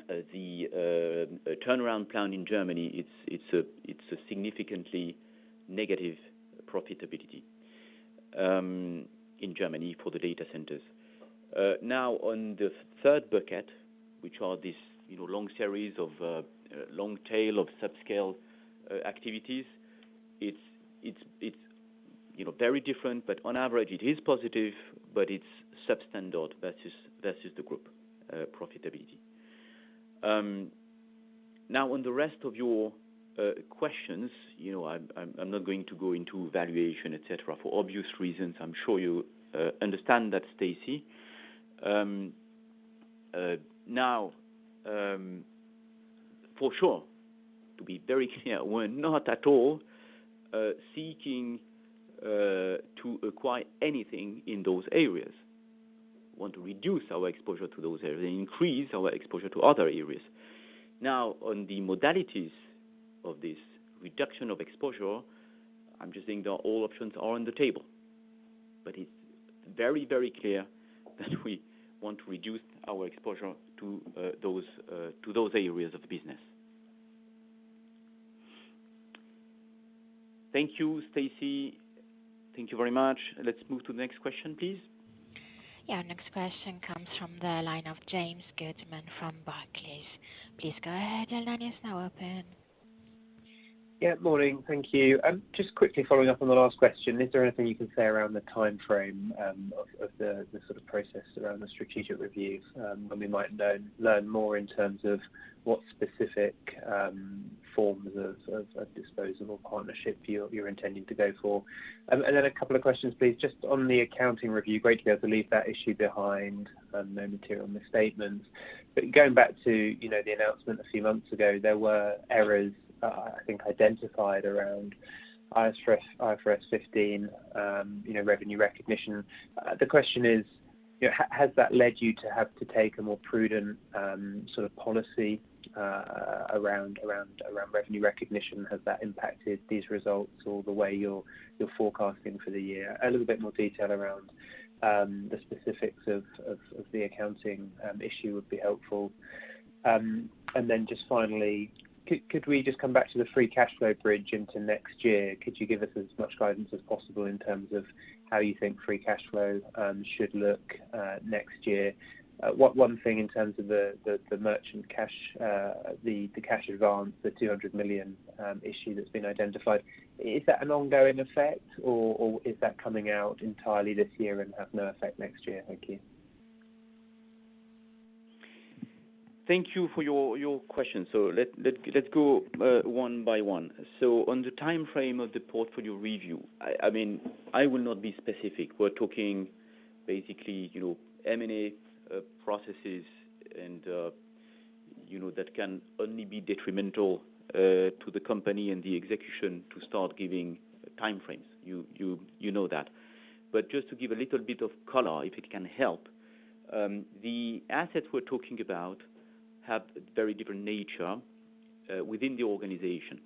The turnaround plan in Germany, it's a significantly negative profitability in Germany for the data centers. On the third bucket, which are these long series of long tail of subscale activities, it's very different, but on average it is positive, but it's substandard versus the group profitability. On the rest of your questions, I'm not going to go into valuation, et cetera, for obvious reasons. I'm sure you understand that, Stacy. For sure, to be very clear, we're not at all seeking to acquire anything in those areas. We want to reduce our exposure to those areas and increase our exposure to other areas. Now, on the modalities of this reduction of exposure, I'm just saying that all options are on the table. It's very clear that we want to reduce our exposure to those areas of the business. Thank you, Stacy. Thank you very much. Let's move to the next question, please. Yeah. Next question comes from the line of James Goodman from Barclays. Please go ahead. Yeah. Morning. Thank you. Just quickly following up on the last question, is there anything you can say around the timeframe of the sort of process around the strategic review when we might learn more in terms of what specific forms of disposals or partnership you're intending to go for? A couple of questions, please, just on the accounting review. Great to be able to leave that issue behind. No material misstatements. Going back to the announcement a few months ago, there were errors, I think, identified around IFRS 15 revenue recognition. The question is, has that led you to have to take a more prudent sort of policy around revenue recognition? Has that impacted these results or the way you're forecasting for the year? A little bit more detail around the specifics of the accounting issue would be helpful. Just finally, could we just come back to the free cash flow bridge into next year? Could you give us as much guidance as possible in terms of how you think free cash flow should look next year? One thing in terms of the merchant cash, the cash advance, the 200 million issue that has been identified. Is that an ongoing effect, or is that coming out entirely this year and have no effect next year? Thank you. Thank you for your question. Let's go one by one. On the timeframe of the portfolio review, I will not be specific. Basically, M&A processes, and that can only be detrimental to the company and the execution to start giving time frames. You know that. Just to give a little bit of color, if it can help, the assets we're talking about have very different nature within the organization,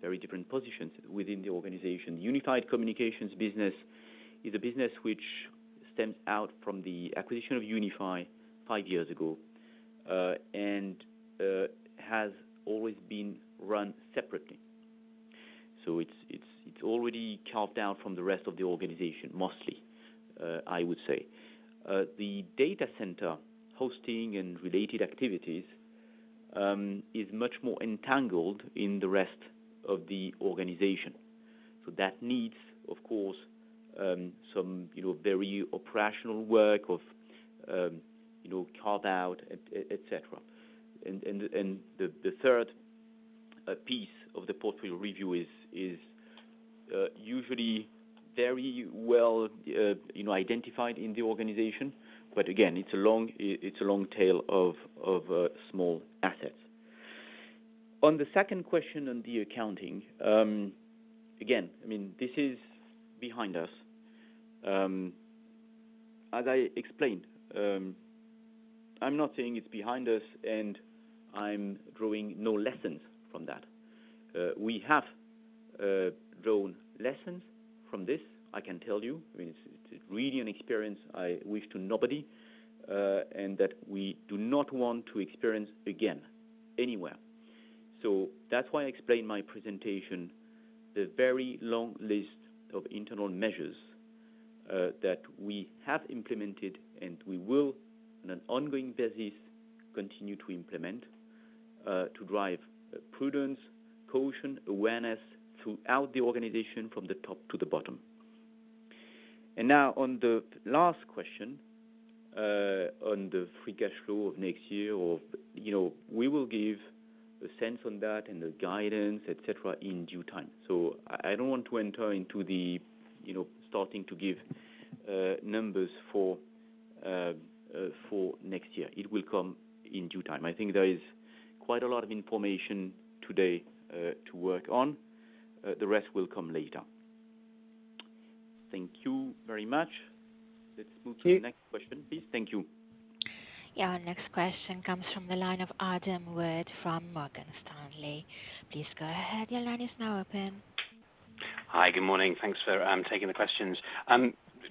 very different positions within the organization. Unified Communications business is a business which stems out from the acquisition of Unify five years ago, and has always been run separately. It's already carved out from the rest of the organization, mostly, I would say. The data center hosting and related activities is much more entangled in the rest of the organization. That needs, of course, some very operational work of carve out, et cetera. The third piece of the portfolio review is usually very well-identified in the organization. Again, it's a long tail of small assets. On the second question on the accounting, again, this is behind us. As I explained, I'm not saying it's behind us and I'm drawing no lessons from that. We have drawn lessons from this, I can tell you. It's really an experience I wish to nobody, and that we do not want to experience again, anywhere. That's why I explained my presentation, the very long list of internal measures that we have implemented, and we will, on an ongoing basis, continue to implement, to drive prudence, caution, awareness throughout the organization from the top to the bottom. Now on the last question, on the free cash flow of next year, we will give a sense on that and the guidance, et cetera, in due time. I don't want to enter into the starting to give numbers for next year. It will come in due time. I think there is quite a lot of information today to work on. The rest will come later. Thank you very much. Let's move to the next question, please. Thank you. Yeah. Our next question comes from the line of Adam Wood from Morgan Stanley. Please go ahead. Your line is now open. Hi. Good morning. Thanks for taking the questions.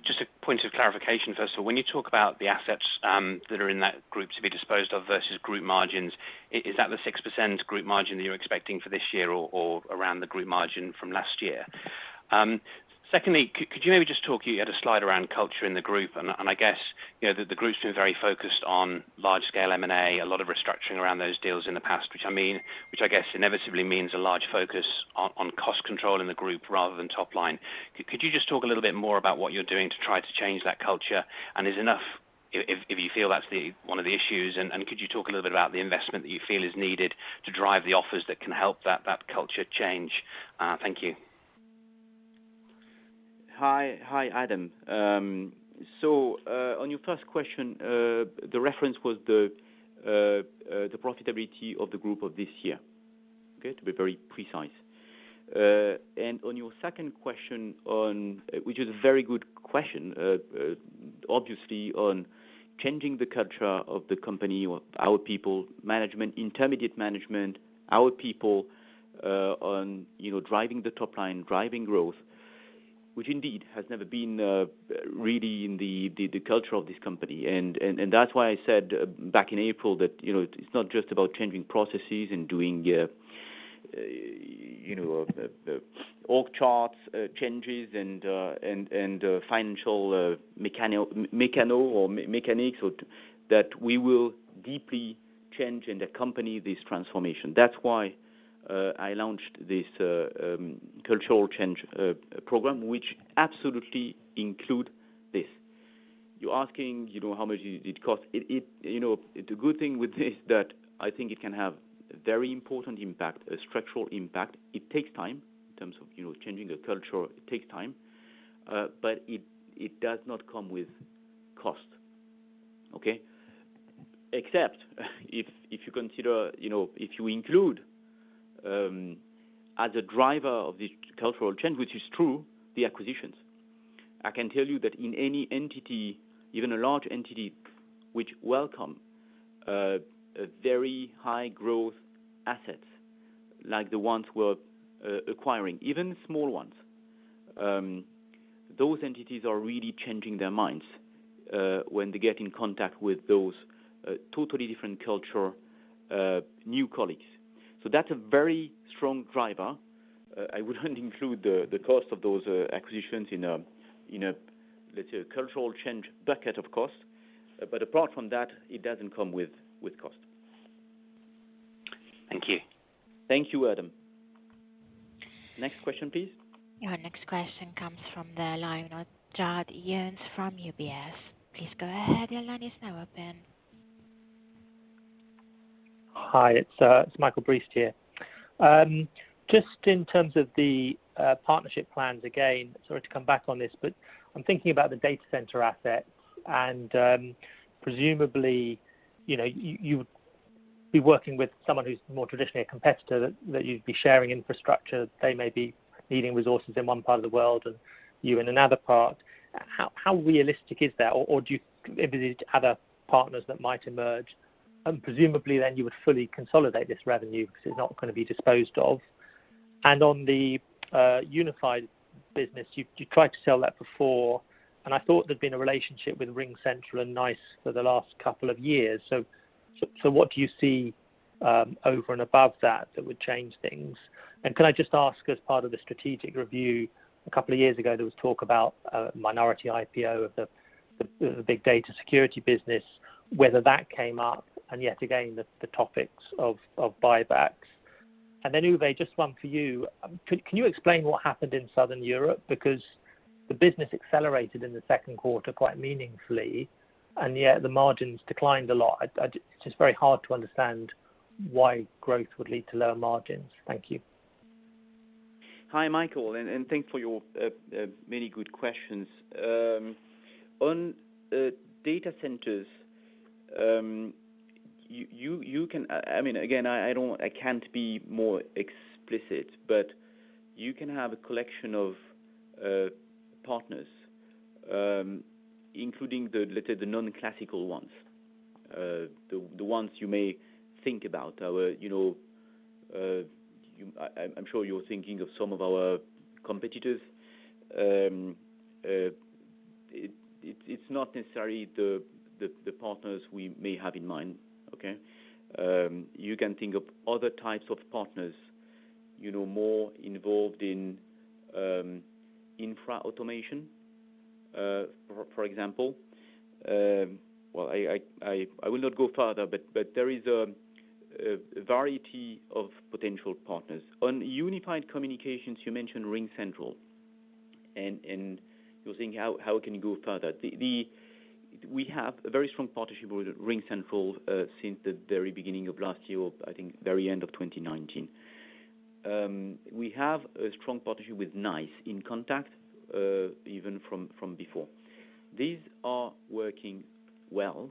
Just a point of clarification, first of all, when you talk about the assets that are in that group to be disposed of versus group margins, is that the 6% group margin that you're expecting for this year, or around the group margin from last year? Could you maybe just talk, you had a slide around culture in the group, and I guess, the group's been very focused on large scale M&A, a lot of restructuring around those deals in the past, which I guess inevitably means a large focus on cost control in the group rather than top line. Could you just talk a little bit more about what you're doing to try to change that culture, and is enough, if you feel that's one of the issues, and could you talk a little bit about the investment that you feel is needed to drive the offers that can help that culture change? Thank you. Hi, Adam. On your first question, the reference was the profitability of the group of this year. Okay? To be very precise. On your second question, which is a very good question, obviously on changing the culture of the company or our people, management, intermediate management, our people, on driving the top line, driving growth, which indeed has never been really in the culture of this company. That's why I said back in April that it's not just about changing processes and doing org charts changes and financial mechanics, that we will deeply change and accompany this transformation. That's why I launched this cultural change program, which absolutely include this. You're asking how much did it cost. The good thing with this is that I think it can have a very important impact, a structural impact. It takes time in terms of changing a culture, it takes time. It does not come with cost. Okay. Except, if you include, as a driver of this cultural change, which is true, the acquisitions. I can tell you that in any entity, even a large entity, which welcome very high growth assets like the ones we're acquiring, even small ones, those entities are really changing their minds when they get in contact with those totally different culture, new colleagues. That's a very strong driver. I would not include the cost of those acquisitions in a, let's say, cultural change bucket, of cost. Apart from that, it doesn't come with cost. Thank you. Thank you, Adam. Next question, please. Your next question comes from the line of [Adam Eames] from UBS. Please go ahead, your line is now open. Hi, it's Michael Briest here. Just in terms of the partnership plans, again, sorry to come back on this, but I'm thinking about the data center assets, and presumably, you would be working with someone who's more traditionally a competitor, that you'd be sharing infrastructure. They may be needing resources in one part of the world and you in another part. How realistic is that? Do you envisage other partners that might emerge? Presumably then you would fully consolidate this revenue because it's not going to be disposed of. On the unified business, you tried to sell that before, and I thought there'd been a relationship with RingCentral and NICE for the last couple of years. What do you see over and above that that would change things? Can I just ask, as part of the strategic review, a couple years ago, there was talk about a minority IPO of the big data security business, whether that came up, and yet again, the topics of buybacks. Uwe, just one for you. Can you explain what happened in Southern Europe? Because the business accelerated in the second quarter quite meaningfully, and yet the margins declined a lot. It's just very hard to understand why growth would lead to lower margins. Thank you. Hi, Michael. Thanks for your many good questions. On data centers, again, I can't be more explicit, but you can have a collection of partners, including the non-classical ones, the ones you may think about. I'm sure you're thinking of some of our competitors. It's not necessarily the partners we may have in mind, okay? You can think of other types of partners, more involved in infra automation, for example. Well, I will not go further, but there is a variety of potential partners. On Unified Communications, you mentioned RingCentral, and you're saying, how can you go further? We have a very strong partnership with RingCentral, since the very beginning of last year, or I think very end of 2019. We have a strong partnership with NICE inContact, even from before. These are working well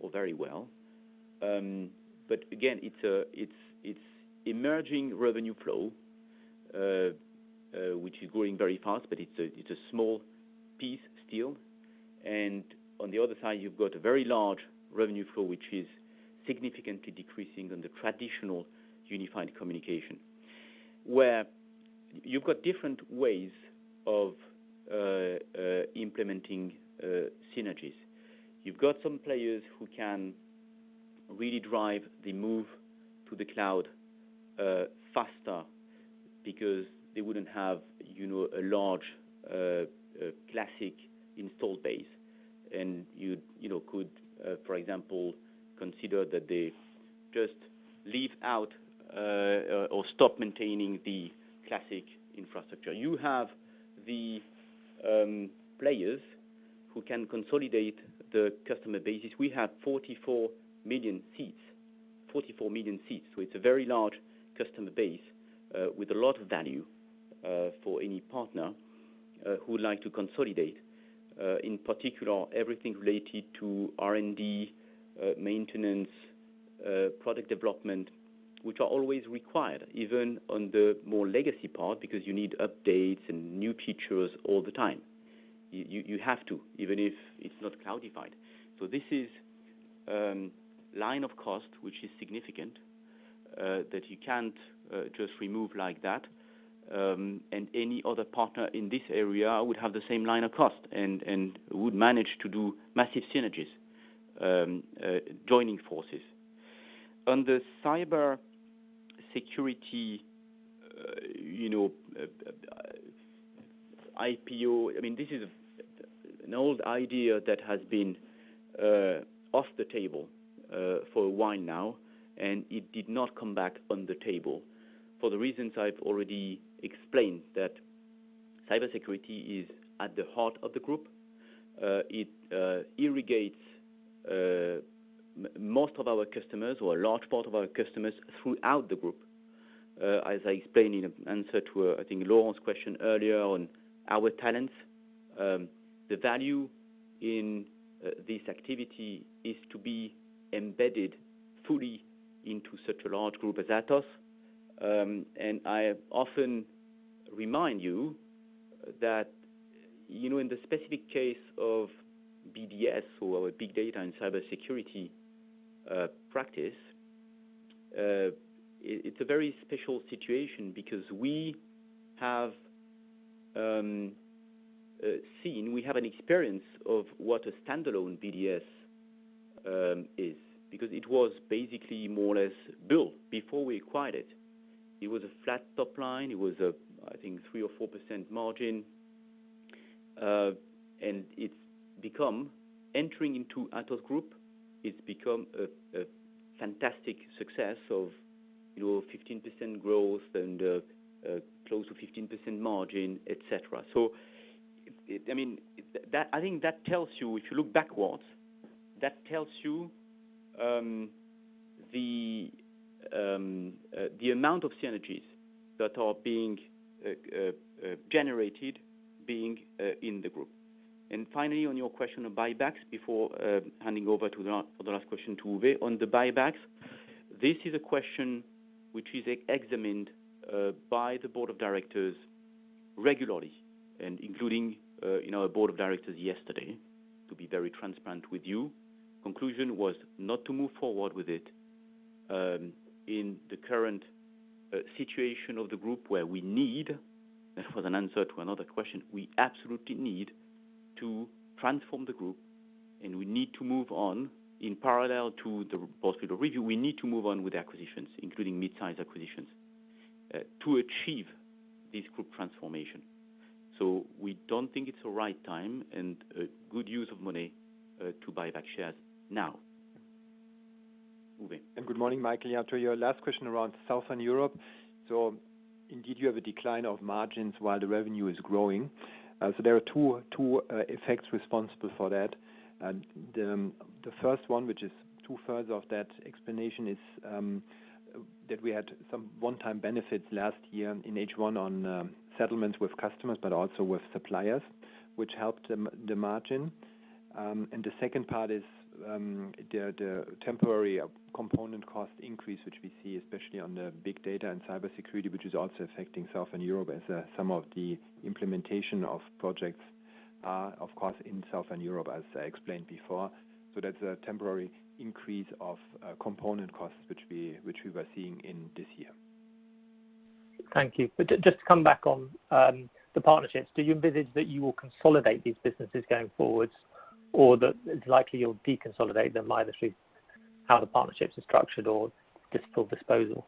or very well. Again, it's emerging revenue flow, which is growing very fast, but it's a small piece still. On the other side, you've got a very large revenue flow, which is significantly decreasing on the traditional Unified Communications. Where you've got different ways of implementing synergies. You've got some players who can really drive the move to the cloud faster because they wouldn't have a large classic install base. You could, for example, consider that they just leave out or stop maintaining the classic infrastructure. You have the players who can consolidate the customer bases. We have 44 million seats, so it's a very large customer base with a lot of value for any partner who would like to consolidate. In particular, everything related to R&D, maintenance, product development, which are always required, even on the more legacy part, because you need updates and new features all the time. You have to, even if it's not cloudified. This is line of cost, which is significant, that you can't just remove like that. Any other partner in this area would have the same line of cost and would manage to do massive synergies joining forces. On the cybersecurity IPO, this is an old idea that has been off the table for a while now, and it did not come back on the table for the reasons I've already explained, that cybersecurity is at the heart of the group. It irrigates most of our customers or a large part of our customers throughout the group. I explained in answer to, I think, Laurent's question earlier on our talents, the value in this activity is to be embedded fully into such a large group as Atos. I often remind you that in the specific case of BDS or our big data and cybersecurity practice, it's a very special situation because we have seen, we have an experience of what a standalone BDS is, because it was basically more or less built before we acquired it. It was a flat top line. It was, I think, 3% or 4% margin. Entering into Atos group, it's become a fantastic success of 15% growth and close to 15% margin, et cetera. I think that tells you, if you look backwards, that tells you the amount of synergies that are being generated being in the group. Finally, on your question of buybacks, before handing over for the last question to Uwe. On the buybacks, this is a question which is examined by the board of directors regularly, including our board of directors yesterday, to be very transparent with you. Conclusion was not to move forward with it in the current situation of the group where we need, and for an answer to another question, we absolutely need to transform the group, and we need to move on in parallel to the portfolio review. We need to move on with acquisitions, including mid-size acquisitions, to achieve this group transformation. We don't think it's the right time and good use of money to buy back shares now. Uwe. Good morning, Michael. I'll turn to your last question around Southern Europe. Indeed, you have a decline of margins while the revenue is growing. There are two effects responsible for that. The first one, which is 2/3 of that explanation, is that we had some one-time benefits last year in H1 on settlements with customers, but also with suppliers, which helped the margin. The second part is the temporary component cost increase, which we see especially on the big data and cybersecurity, which is also affecting Southern Europe as some of the implementation of projects are, of course, in Southern Europe, as I explained before. That's a temporary increase of component costs, which we were seeing in this year. Thank you. Just to come back on the partnerships, do you envisage that you will consolidate these businesses going forwards, or that it's likely you'll deconsolidate them either through how the partnerships are structured or just full disposal?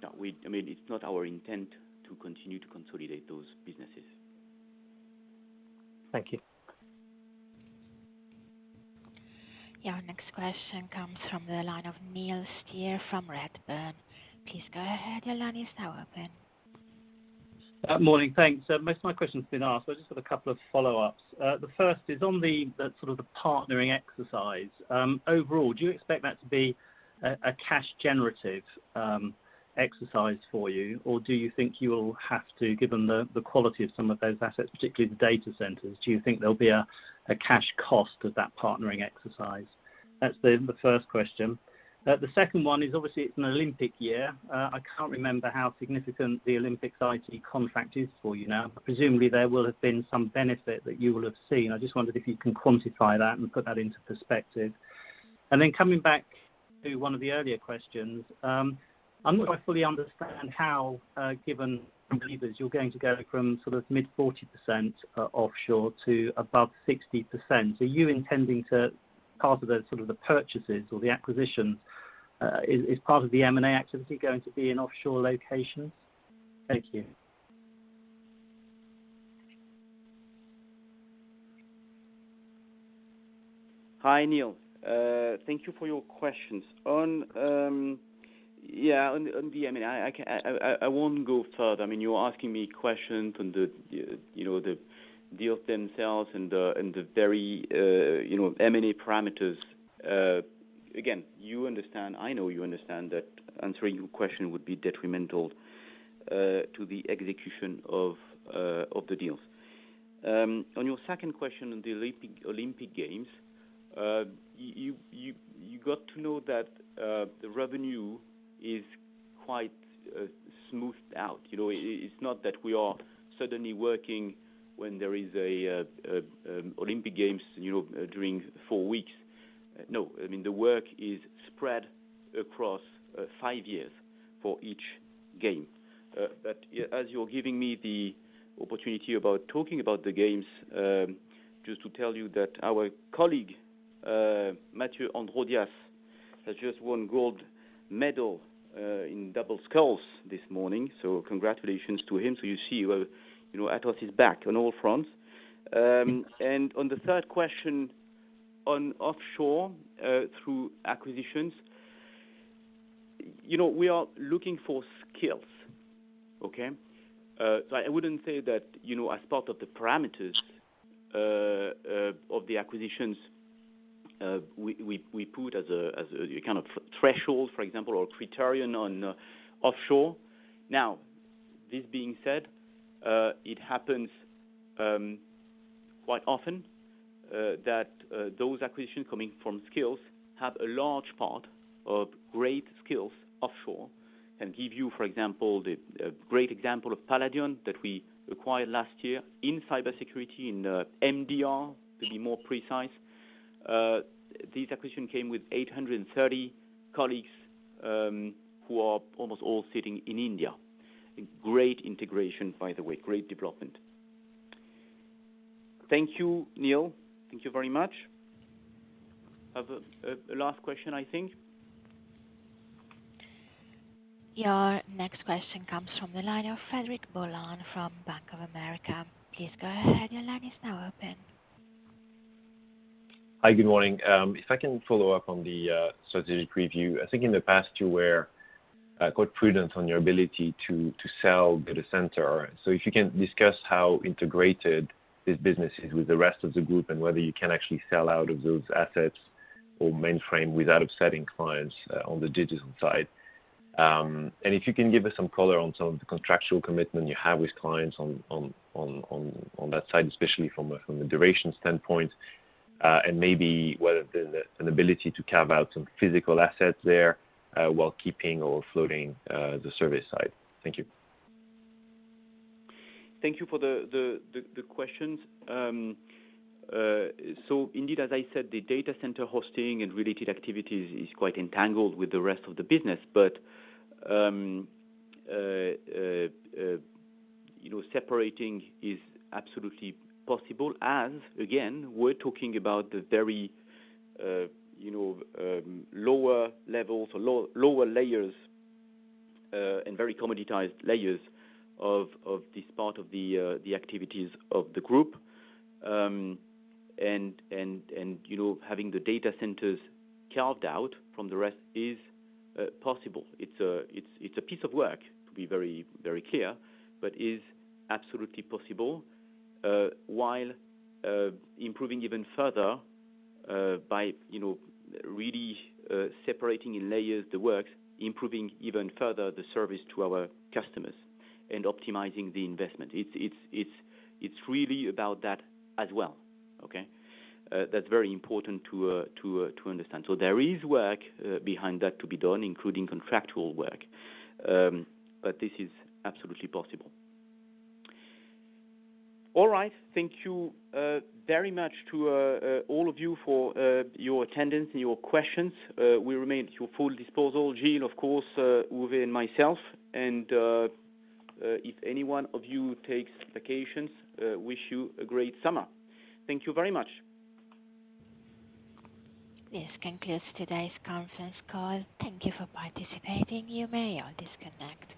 No. It's not our intent to continue to consolidate those businesses. Thank you. Your next question comes from the line of Neil Steer from Redburn. Please go ahead, your line is now open. Morning. Thanks. Most of my question's been asked. I've just got a couple of follow-ups. The first is on the sort of the partnering exercise. Overall, do you expect that to be a cash generative exercise for you? Do you think you'll have to, given the quality of some of those assets, particularly the data centers, do you think there'll be a cash cost of that partnering exercise? That's the first question. The second one is obviously it's an Olympic year. I can't remember how significant the Olympics IT contract is for you now. Presumably there will have been some benefit that you will have seen. I just wondered if you can quantify that and put that into perspective. Coming back to one of the earlier questions, I am not quite fully understand how, given the levers, you are going to go from sort of mid 40% offshore to above 60%. Are you intending to, part of the sort of the purchases or the acquisitions, is part of the M&A activity going to be in offshore locations? Thank you. Hi, Neil. Thank you for your questions. I won't go further. You're asking me questions on the deals themselves and the very M&A parameters. You understand, I know you understand that answering your question would be detrimental to the execution of the deals. On your second question on the Olympic Games, you got to know that the revenue is quite smoothed out. It's not that we are suddenly working when there is a Olympic Games during four weeks. No. The work is spread across five years for each game. As you're giving me the opportunity about talking about the games, just to tell you that our colleague, Matthieu Androdias, has just won gold medal in double sculls this morning, congratulations to him. You see, Atos is back on all fronts. On the third question on offshore through acquisitions, we are looking for skills. Okay? I wouldn't say that as part of the parameters of the acquisitions, we put as a kind of threshold, for example, or criterion on offshore. Now, this being said, it happens quite often that those acquisitions coming from skills have a large part of great skills offshore and give you, for example, the great example of Paladion that we acquired last year in cybersecurity, in MDR, to be more precise. This acquisition came with 830 colleagues who are almost all sitting in India. Great integration, by the way, great development. Thank you, Neil. Thank you very much. A last question, I think. Your next question comes from the line of Frederic Boulan from Bank of America. Please go ahead. Your line is now open. Hi, good morning. If I can follow up on the strategic review. I think in the past you were quite prudent on your ability to sell data center. If you can discuss how integrated this business is with the rest of the group, and whether you can actually sell out of those assets or mainframe without upsetting clients on the digital side. If you can give us some color on some of the contractual commitment you have with clients on that side, especially from a duration standpoint, and maybe whether there's an ability to carve out some physical assets there, while keeping or floating the service side. Thank you. Thank you for the questions. Indeed, as I said, the data center hosting and related activities is quite entangled with the rest of the business, but separating is absolutely possible. Again, we're talking about the very lower levels, lower layers, and very commoditized layers of this part of the activities of the group. Having the data centers carved out from the rest is possible. It's a piece of work, to be very clear, but is absolutely possible, while improving even further by really separating in layers the work, improving even further the service to our customers and optimizing the investment. It's really about that as well. Okay. That's very important to understand. There is work behind that to be done, including contractual work. This is absolutely possible. All right. Thank you very much to all of you for your attendance and your questions. We remain at your full disposal, Gilles, of course, Uwe, and myself. If any one of you takes vacations, wish you a great summer. Thank you very much. This concludes today's conference call. Thank you for participating. You may all disconnect.